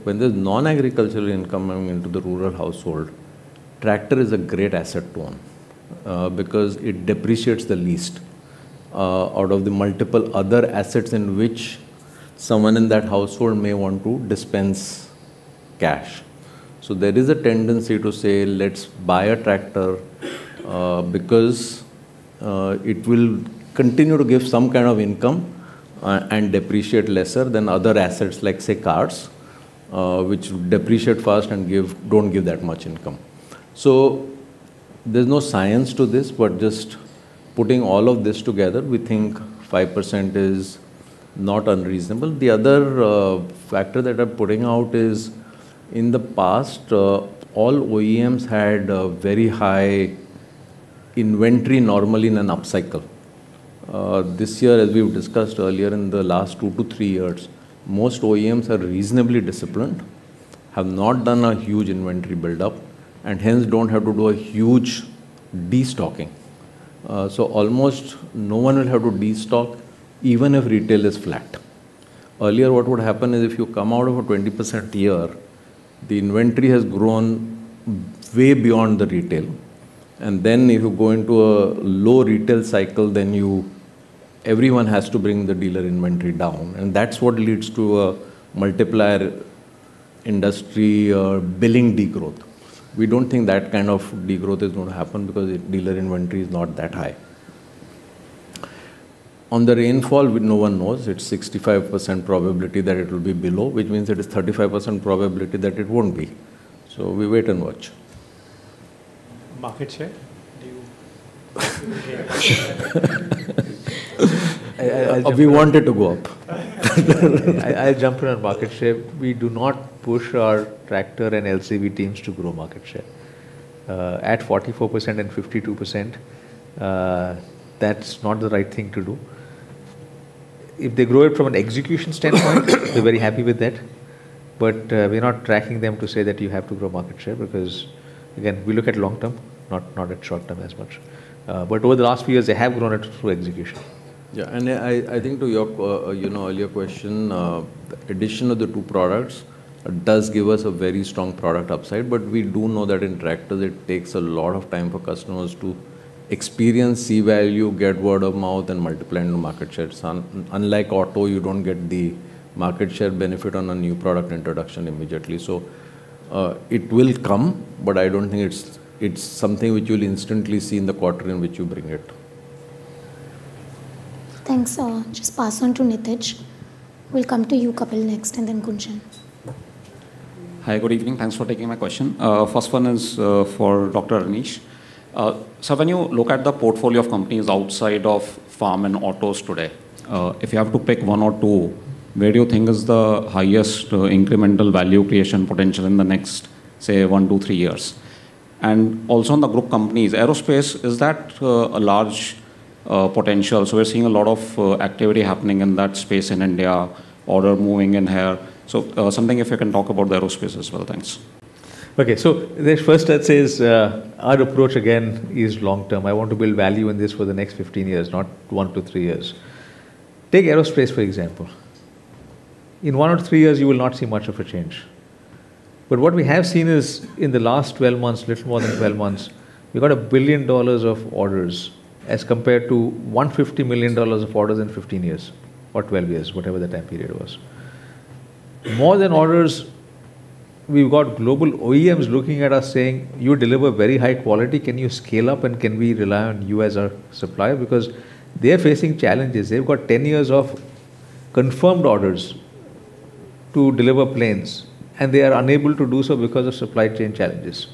When there's non-agricultural income coming into the rural household, tractor is a great asset to own because it depreciates the least out of the multiple other assets in which someone in that household may want to dispense cash. There is a tendency to say, "Let's buy a tractor," because it will continue to give some kind of income, and depreciate lesser than other assets, like say cars, which depreciate fast and don't give that much income. There's no science to this, but just putting all of this together, we think 5% is not unreasonable. The other factor that I'm putting out is in the past, all OEMs had a very high inventory normally in an up cycle. This year, as we've discussed earlier, in the last two to three years, most OEMs are reasonably disciplined, have not done a huge inventory buildup, and hence don't have to do a huge destocking. Almost no one will have to destock even if retail is flat. Earlier, what would happen is if you come out of a 20% year, the inventory has grown way beyond the retail. If you go into a low retail cycle, then everyone has to bring the dealer inventory down, and that's what leads to a multiplier industry or billing degrowth. We don't think that kind of degrowth is going to happen because the dealer inventory is not that high. On the rainfall, no one knows. It's 65% probability that it'll be below, which means it is 35% probability that it won't be. We wait and watch. Market share? Do you- We want it to go up. I'll jump in on market share. We do not push our tractor and LCV teams to grow market share. At 44% and 52%, that's not the right thing to do. If they grow it from an execution standpoint, they're very happy with that. We're not tracking them to say that you have to grow market share because, again, we look at long term, not at short term as much. Over the last few years, they have grown it through execution. Yeah. I think to your, you know, earlier question, addition of the two products does give us a very strong product upside. We do know that in tractors it takes a lot of time for customers to experience, see value, get word of mouth and multiply into market shares. Unlike auto, you don't get the market share benefit on a new product introduction immediately. It will come, but I don't think it's something which you'll instantly see in the quarter in which you bring it. Thanks. Just pass on to Nitesh. We'll come to you, Kapil, next, and then Gunjan. Hi, good evening. Thanks for taking my question. First one is for Dr. Anish. When you look at the portfolio of companies outside of farm and autos today, if you have to pick one or two, where do you think is the highest incremental value creation potential in the next, say, one to three years? Also on the group companies, aerospace, is that a large potential? We're seeing a lot of activity happening in that space in India, order moving in here. Something if you can talk about the aerospace as well. Thanks. Okay. The first I'd say is our approach again is long term. I want to build value in this for the next 15 years, not one to three years. Take aerospace, for example. In one to three years, you will not see much of a change. What we have seen is in the last 12 months, little more than 12 months, we got $1 billion of orders as compared to $150 million of orders in 15 years or 12 years, whatever the time period was. More than orders, we've got global OEMs looking at us saying, "You deliver very high quality. Can you scale up, and can we rely on you as our supplier?" Because they're facing challenges. They've got 10 years of confirmed orders to deliver planes, and they are unable to do so because of supply chain challenges.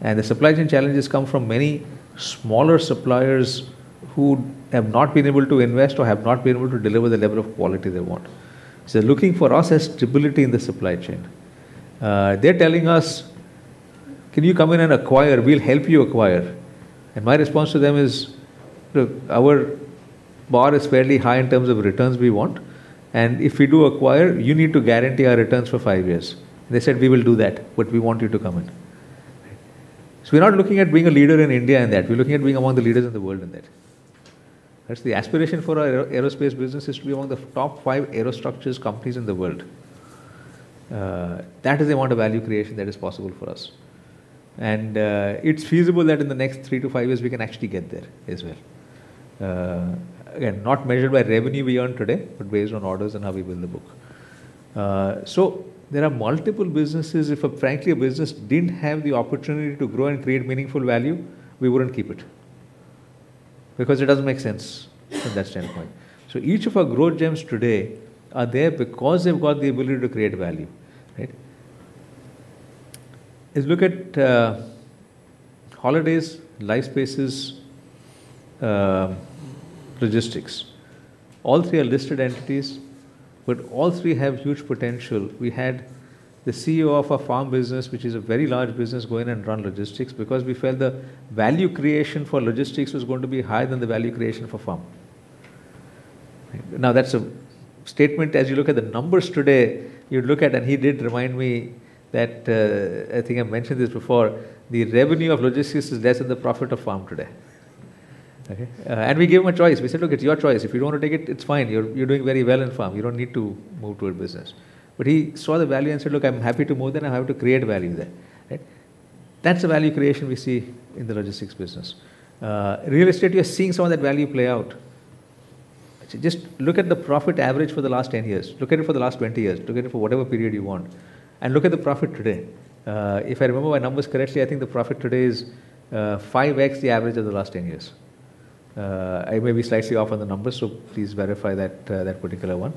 The supply chain challenges come from many smaller suppliers who have not been able to invest or have not been able to deliver the level of quality they want. They're looking for us as stability in the supply chain. They're telling us, "Can you come in and acquire? We'll help you acquire." My response to them is, "Look, our bar is fairly high in terms of returns we want, and if we do acquire, you need to guarantee our returns for five years." They said, "We will do that, but we want you to come in." We're not looking at being a leader in India in that. We're looking at being among the leaders in the world in that. That's the aspiration for our aero- aerospace business, is to be one of the top five aerostructures companies in the world. That is the amount of value creation that is possible for us. It's feasible that in the next three to five years we can actually get there as well. Again, not measured by revenue we earn today, but based on orders and how we build the book. There are multiple businesses. If, frankly, a business didn't have the opportunity to grow and create meaningful value, we wouldn't keep it, because it doesn't make sense from that standpoint. Each of our Growth Gems today are there because they've got the ability to create value, right? Holidays, Li1fespaces, Logistics. All three are listed entities, but all three have huge potential. We had the CEO of our farm business, which is a very large business, go in and run logistics because we felt the value creation for logistics was going to be higher than the value creation for farm. That's a statement as you look at the numbers today, you look at, and he did remind me that, I think I mentioned this before, the revenue of logistics is less than the profit of farm today. Okay? We gave him a choice. We said, "Look, it's your choice. If you don't want to take it's fine. You're, you're doing very well in farm. You don't need to move to a business." He saw the value and said, "Look, I'm happy to move there and I have to create value there." Right. That's the value creation we see in the logistics business. Real estate, we are seeing some of that value play out. Just look at the profit average for the last 10 years. Look at it for the last 20 years. Look at it for whatever period you want, and look at the profit today. If I remember my numbers correctly, I think the profit today is 5x the average of the last 10 years. I may be slightly off on the numbers, so please verify that particular one.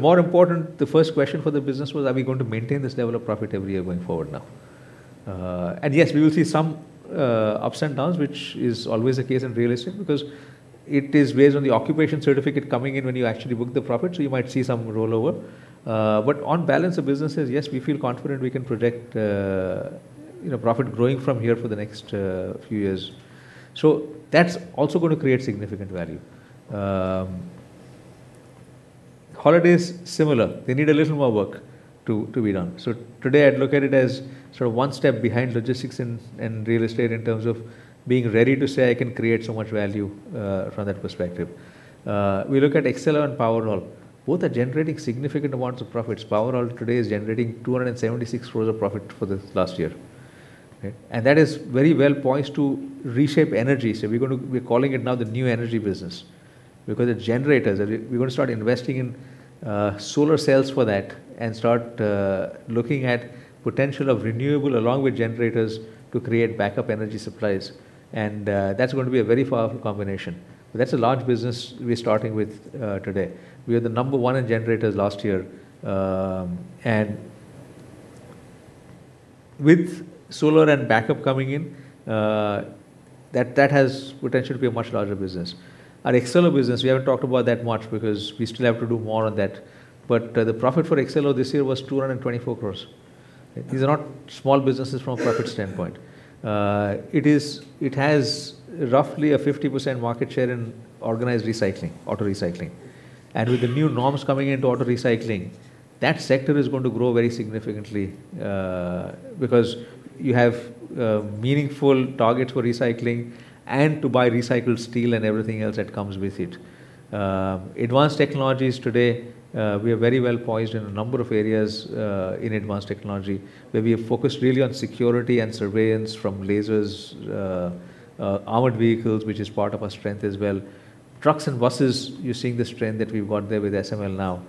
More important, the first question for the business was, are we going to maintain this level of profit every year going forward now? Yes, we will see some ups and downs, which is always the case in real estate because it is based on the occupation certificate coming in when you actually book the profit, so you might see some rollover. On balance, the business says, yes, we feel confident we can project, you know, profit growing from here for the next few years. That's also going to create significant value. Holidays, similar. They need a little more work to be done. Today I'd look at it as sort of one step behind logistics and real estate in terms of being ready to say I can create so much value from that perspective. We look at AcceIo and Powerol. Both are generating significant amounts of profits. Powerol today is generating 276 crores of profit for this last year. Okay. That is very well poised to reshape energy. We're calling it now the new energy business because the generators, we're going to start investing in solar cells for that and start looking at potential of renewable along with generators to create backup energy supplies. That's going to be a very powerful combination. That's a large business we're starting with today. We are the number one in generators last year. With solar and backup coming in, that has potential to be a much larger business. Our CERO business, we haven't talked about that much because we still have to do more on that. The profit for CERO this year was 224 crores. These are not small businesses from a profit standpoint. It has roughly a 50% market share in organized recycling, auto recycling. With the new norms coming into auto recycling, that sector is going to grow very significantly because you have meaningful targets for recycling and to buy recycled steel and everything else that comes with it. Advanced Technologies today, we are very well poised in a number of areas in advanced technology, where we are focused really on security and surveillance from lasers, armored vehicles, which is part of our strength as well. Trucks and buses, you're seeing the strength that we've got there with SML now,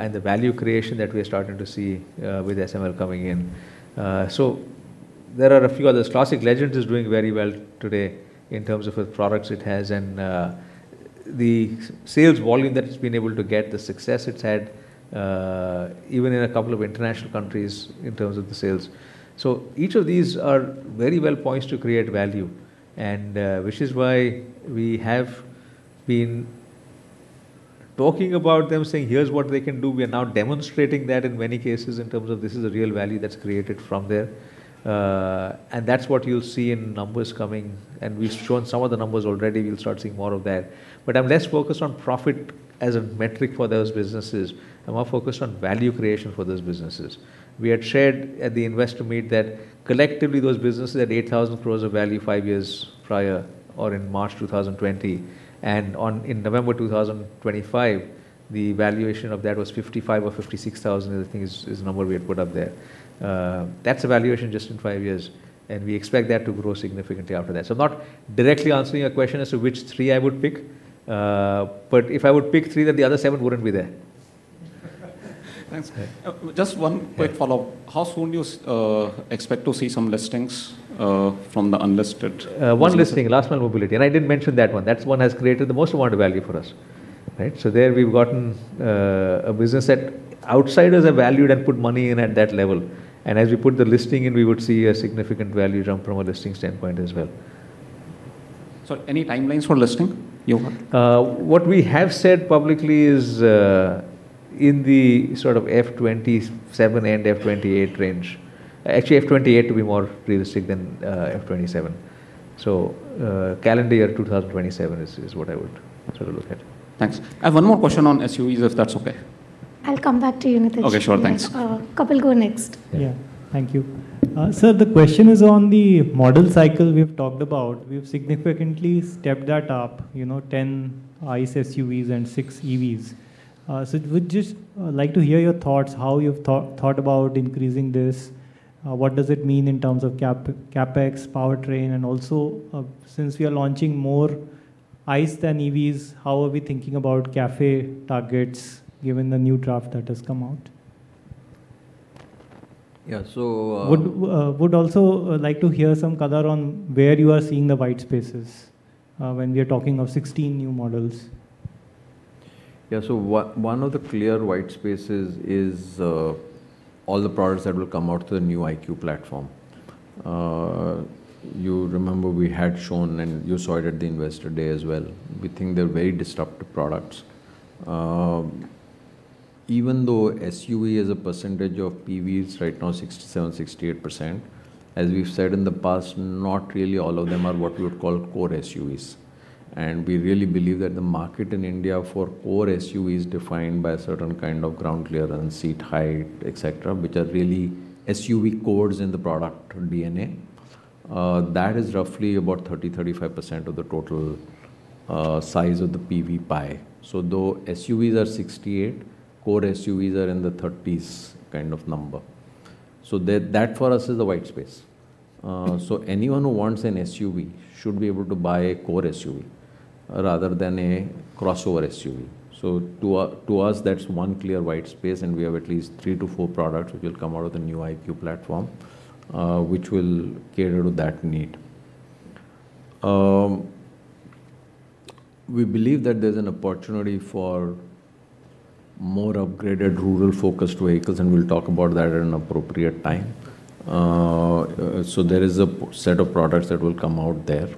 and the value creation that we're starting to see with SML coming in. There are a few others. Classic Legends is doing very well today in terms of the products it has and the sales volume that it's been able to get, the success it's had even in a couple of international countries in terms of the sales. Each of these are very well poised to create value, and which is why we have been talking about them, saying, "Here's what they can do." We are now demonstrating that in many cases in terms of this is a real value that's created from there. And that's what you'll see in numbers coming, and we've shown some of the numbers already. We'll start seeing more of that. I'm less focused on profit as a metric for those businesses. I'm more focused on value creation for those businesses. We had shared at the investor meet that collectively those businesses had 8,000 crore of value five years prior or in March 2020. In November 2025, the valuation of that was 55,000 or 56,000, I think is the number we had put up there. That's a valuation just in five years, and we expect that to grow significantly after that. I'm not directly answering your question as to which three I would pick, but if I would pick three, then the other seven wouldn't be there. Thanks. Yeah. Just one quick follow-up. How soon do you expect to see some listings from the unlisted businesses? One listing, Last Mile Mobility, and I didn't mention that one. That one has created the most amount of value for us, right? There we've gotten a business that outsiders have valued and put money in at that level. As we put the listing in, we would see a significant value jump from a listing standpoint as well. Any timelines for listing, you have? What we have said publicly is in the sort of FY 2027 and FY 2028 range. Actually FY 2028 to be more realistic than FY 2027. Calendar year 2027 is what I would sort of look at. Thanks. I have one more question on SUVs, if that's okay. I'll come back to you, Nitesh. Okay, sure. Thanks. Kapil, go next. Yeah. Yeah. Thank you. sir, the question is on the model cycle we've talked about. We've significantly stepped that up, you know, 10 ICE SUVs and six EVs. we'd just like to hear your thoughts, how you've thought about increasing this. What does it mean in terms of CapEx, powertrain, and also, since we are launching more ICE than EVs, how are we thinking about CAFE targets given the new draft that has come out? Yeah. Would also like to hear some color on where you are seeing the white spaces, when we are talking of 16 new models. Yeah. One of the clear white spaces is all the products that will come out to the new INGLO Platform. You remember we had shown, and you saw it at the Investor Day as well. We think they're very disruptive products. Even though SUV as a percentage of PV is right now 67%-68%, as we've said in the past, not really all of them are what we would call core SUVs. We really believe that the market in India for core SUV is defined by a certain kind of ground clearance, seat height, et cetera, which are really SUV cores in the product DNA. That is roughly about 30%-35% of the total size of the PV pie. Though SUVs are 68%, core SUVs are in the 30s kind of number. That for us is the white space. Anyone who wants an SUV should be able to buy a core SUV rather than a crossover SUV. To us, that's one clear white space, and we have at least three to four products which will come out of the NU_IQ platform, which will cater to that need. We believe that there's an opportunity for more upgraded rural-focused vehicles, and we'll talk about that at an appropriate time. There is a set of products that will come out there.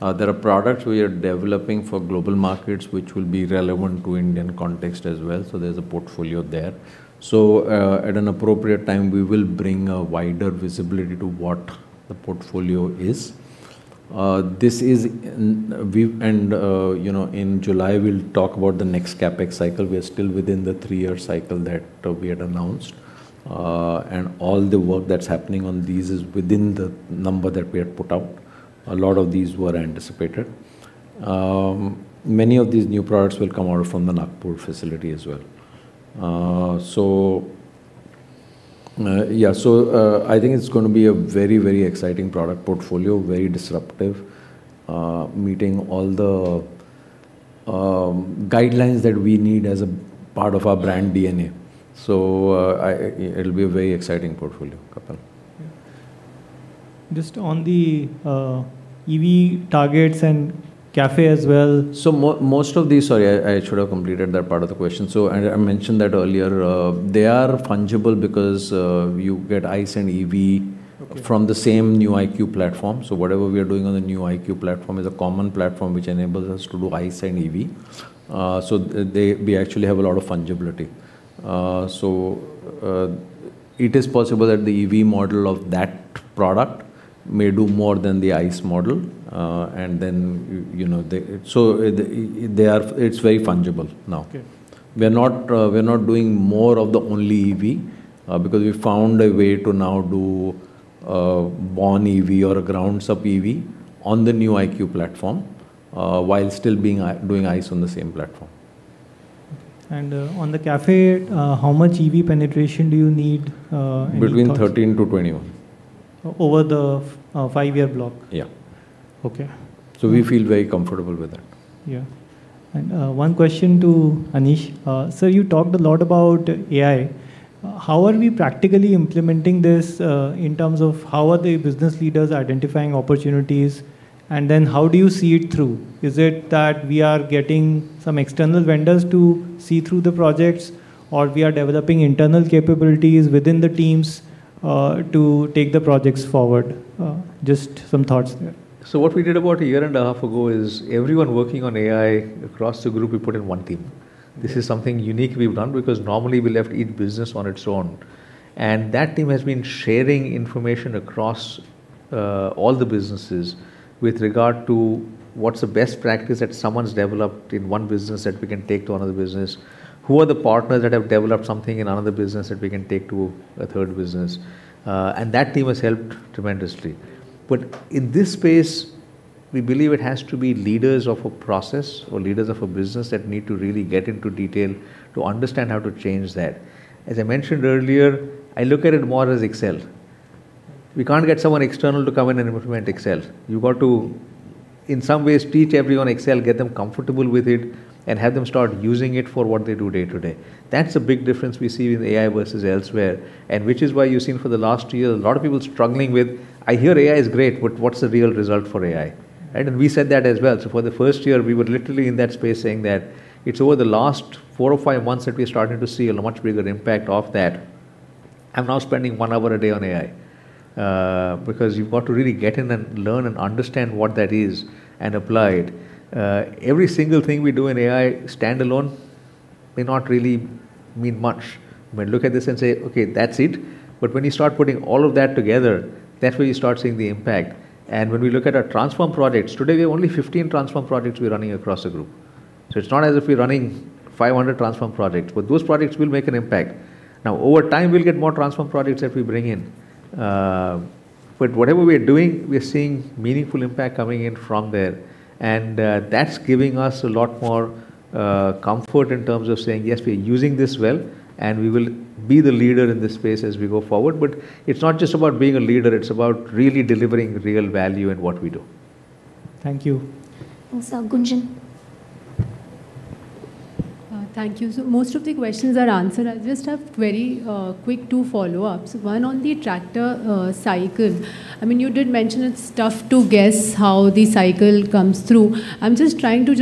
There are products we are developing for global markets which will be relevant to Indian context as well, so there's a portfolio there. At an appropriate time, we will bring a wider visibility to what the portfolio is. You know, in July, we'll talk about the next CapEx cycle. We are still within the three-year cycle that we had announced. All the work that's happening on these is within the number that we had put out. A lot of these were anticipated. Many of these new products will come out from the Nagpur facility as well. Yeah. I think it's gonna be a very, very exciting product portfolio, very disruptive, meeting all the guidelines that we need as a part of our brand DNA. It'll be a very exciting portfolio, Kapil. Just on the EV targets and CAFE as well. most of these Sorry, I should have completed that part of the question. I mentioned that earlier, they are fungible because you get ICE and EV- Okay From the same NU_IQ platform. Whatever we are doing on the NU_IQ platform is a common platform which enables us to do ICE and EV. We actually have a lot of fungibility. It is possible that the EV model of that product may do more than the ICE model, and then, you know, it's very fungible now. Okay. We're not doing more of the only EV, because we found a way to now do a born EV or a ground-up EV on the new INGLO Platform, while still being doing ICE on the same platform. On the CAFE, how much EV penetration do you need, any thoughts? Between 13 to 21. Over the five-year block? Yeah. Okay. We feel very comfortable with that. One question to Anish. Sir, you talked a lot about AI. How are we practically implementing this in terms of how are the business leaders identifying opportunities, how do you see it through? Is it that we are getting some external vendors to see through the projects, or we are developing internal capabilities within the teams to take the projects forward? Just some thoughts there. What we did about a year and a half ago is everyone working on AI across the group, we put in one team. This is something unique we've done because normally we left each business on its own. That team has been sharing information across all the businesses with regard to what's the best practice that someone's developed in one business that we can take to another business. Who are the partners that have developed something in another business that we can take to a third business? That team has helped tremendously. In this space, we believe it has to be leaders of a process or leaders of a business that need to really get into detail to understand how to change that. As I mentioned earlier, I look at it more as Excel. We can't get someone external to come in and implement Excel. You've got to, in some ways, teach everyone Excel, get them comfortable with it, and have them start using it for what they do day to day. That's a big difference we see with AI versus elsewhere. Which is why you've seen for the last year a lot of people struggling with, "I hear AI is great, but what's the real result for AI?" Right. We said that as well. For the first year, we were literally in that space saying that it's over the last four or five months that we're starting to see a much bigger impact of that. I'm now spending one hour a day on AI because you've got to really get in and learn and understand what that is and apply it. Every single thing we do in AI standalone may not really mean much when look at this and say, "Okay, that's it." When you start putting all of that together, that's where you start seeing the impact. When we look at our transform projects, today we have only 15 transform projects we're running across the group. It's not as if we're running 500 transform projects, but those projects will make an impact. Over time, we'll get more transform projects that we bring in. Whatever we are doing, we are seeing meaningful impact coming in from there. That's giving us a lot more comfort in terms of saying, "Yes, we are using this well, and we will be the leader in this space as we go forward." It's not just about being a leader, it's about really delivering real value in what we do. Thank you. Thanks, Gunjan. Thank you. Most of the questions are answered. I just have very quick two follow-ups. One on the tractor cycle. I mean, you did mention it's tough to guess how the cycle comes through. I'm just trying to,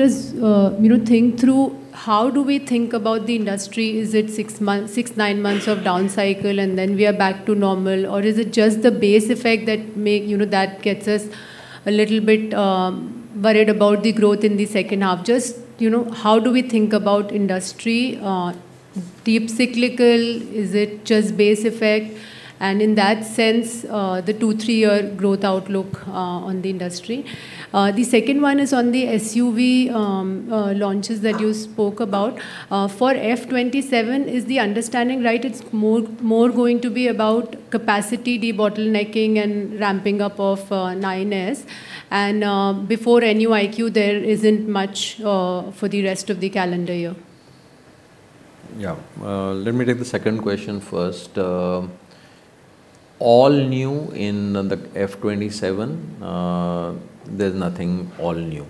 you know, think through how do we think about the industry. Is it six months, nine months of down cycle and then we are back to normal? Is it just the base effect that, you know, that gets us a little bit worried about the growth in the second half? Just, you know, how do we think about industry deep cyclical? Is it just base effect? In that sense, the two, three-year growth outlook on the industry. The second one is on the SUV launches that you spoke about. For F 2027 is the understanding, right. It's more going to be about capacity, the bottlenecking and ramping up of 9S. Before any IQ there isn't much for the rest of the calendar year. Yeah. Let me take the second question first. All new in the F 2027, there's nothing all new.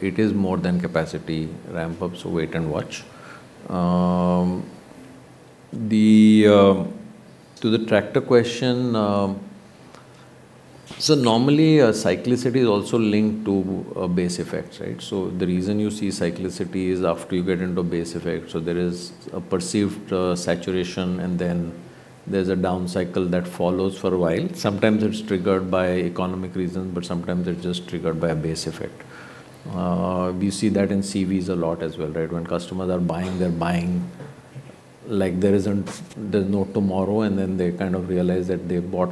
It is more than capacity ramp up, so wait and watch. The, to the tractor question. Normally, cyclicity is also linked to base effects, right? The reason you see cyclicity is after you get into base effect. There is a perceived saturation, and then there's a down cycle that follows for a while. Sometimes it's triggered by economic reasons, but sometimes it's just triggered by a base effect. We see that in CVs a lot as well, right? When customers are buying, they're buying like there isn't, there's no tomorrow, and then they kind of realize that they bought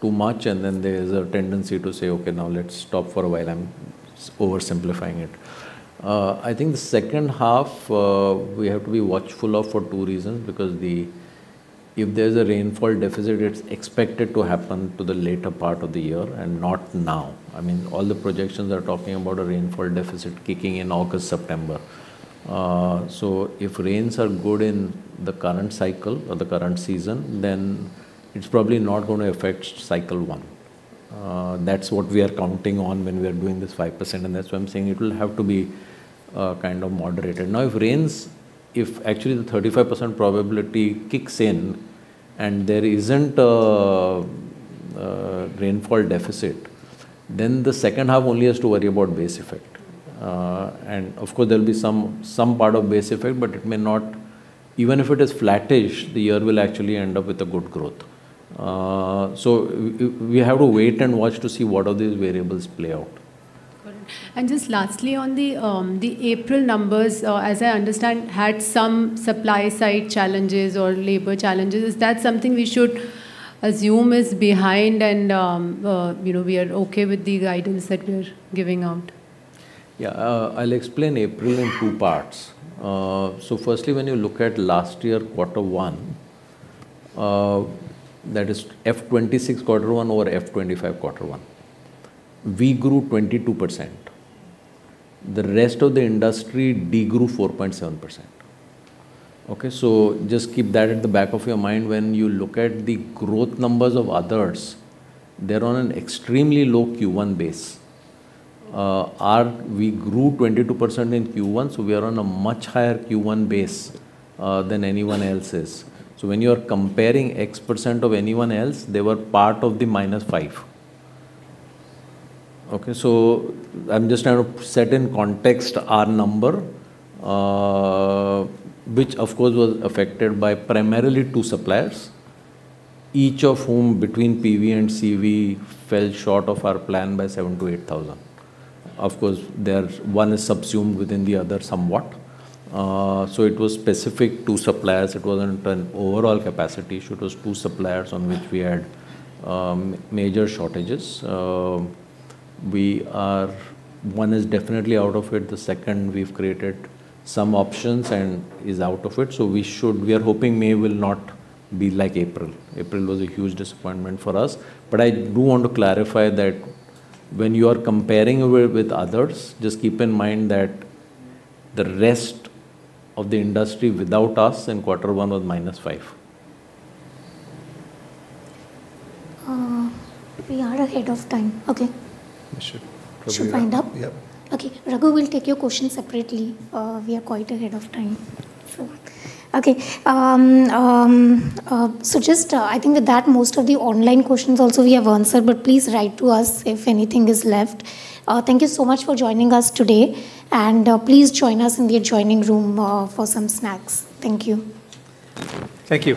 too much, and then there's a tendency to say, "Okay, now let's stop for a while." I'm oversimplifying it. I think the second half, we have to be watchful of for two reasons, because if there's a rainfall deficit, it's expected to happen to the later part of the year and not now. I mean, all the projections are talking about a rainfall deficit kicking in August, September. If rains are good in the current cycle or the current season, then it's probably not gonna affect cycle one. That's what we are counting on when we are doing this 5%, that's why I'm saying it'll have to be kind of moderated. If rains, if actually the 35% probability kicks in and there isn't a rainfall deficit, then the second half only has to worry about base effect. Of course there'll be some part of base effect, but even if it is flattish, the year will actually end up with a good growth. We have to wait and watch to see what are these variables play out. Got it. Just lastly on the April numbers, as I understand, had some supply side challenges or labor challenges. Is that something we should assume is behind and, you know, we are okay with the guidance that we're giving out? Yeah. I'll explain April in two parts. Firstly, when you look at last year quarter one, that is F 2026 quarter one over F 2025 quarter one. We grew 22%. The rest of the industry de-grew 4.7%. Okay. Just keep that at the back of your mind when you look at the growth numbers of others. They're on an extremely low Q1 base. We grew 22% in Q1, we are on a much higher Q1 base than anyone else is. When you're comparing X percent of anyone else, they were part of the -5. Okay. I'm just trying to set in context our number, which of course was affected by primarily two suppliers, each of whom between PV and CV fell short of our plan by 7,000-8,000. One is subsumed within the other somewhat. It was specific to suppliers. It wasn't an overall capacity issue. It was two suppliers on which we had major shortages. One is definitely out of it. The second we've created some options and is out of it. We are hoping May will not be like April. April was a huge disappointment for us. I do want to clarify that when you are comparing with others, just keep in mind that the rest of the industry without us in quarter one was -5. We are ahead of time. Okay. We should probably wrap. Should wind up. Yep. Okay. Raghu, we'll take your question separately. We are quite ahead of time. Sure. Okay. Just, I think with that, most of the online questions also we have answered, but please write to us if anything is left. Thank you so much for joining us today, and please join us in the adjoining room for some snacks. Thank you. Thank you.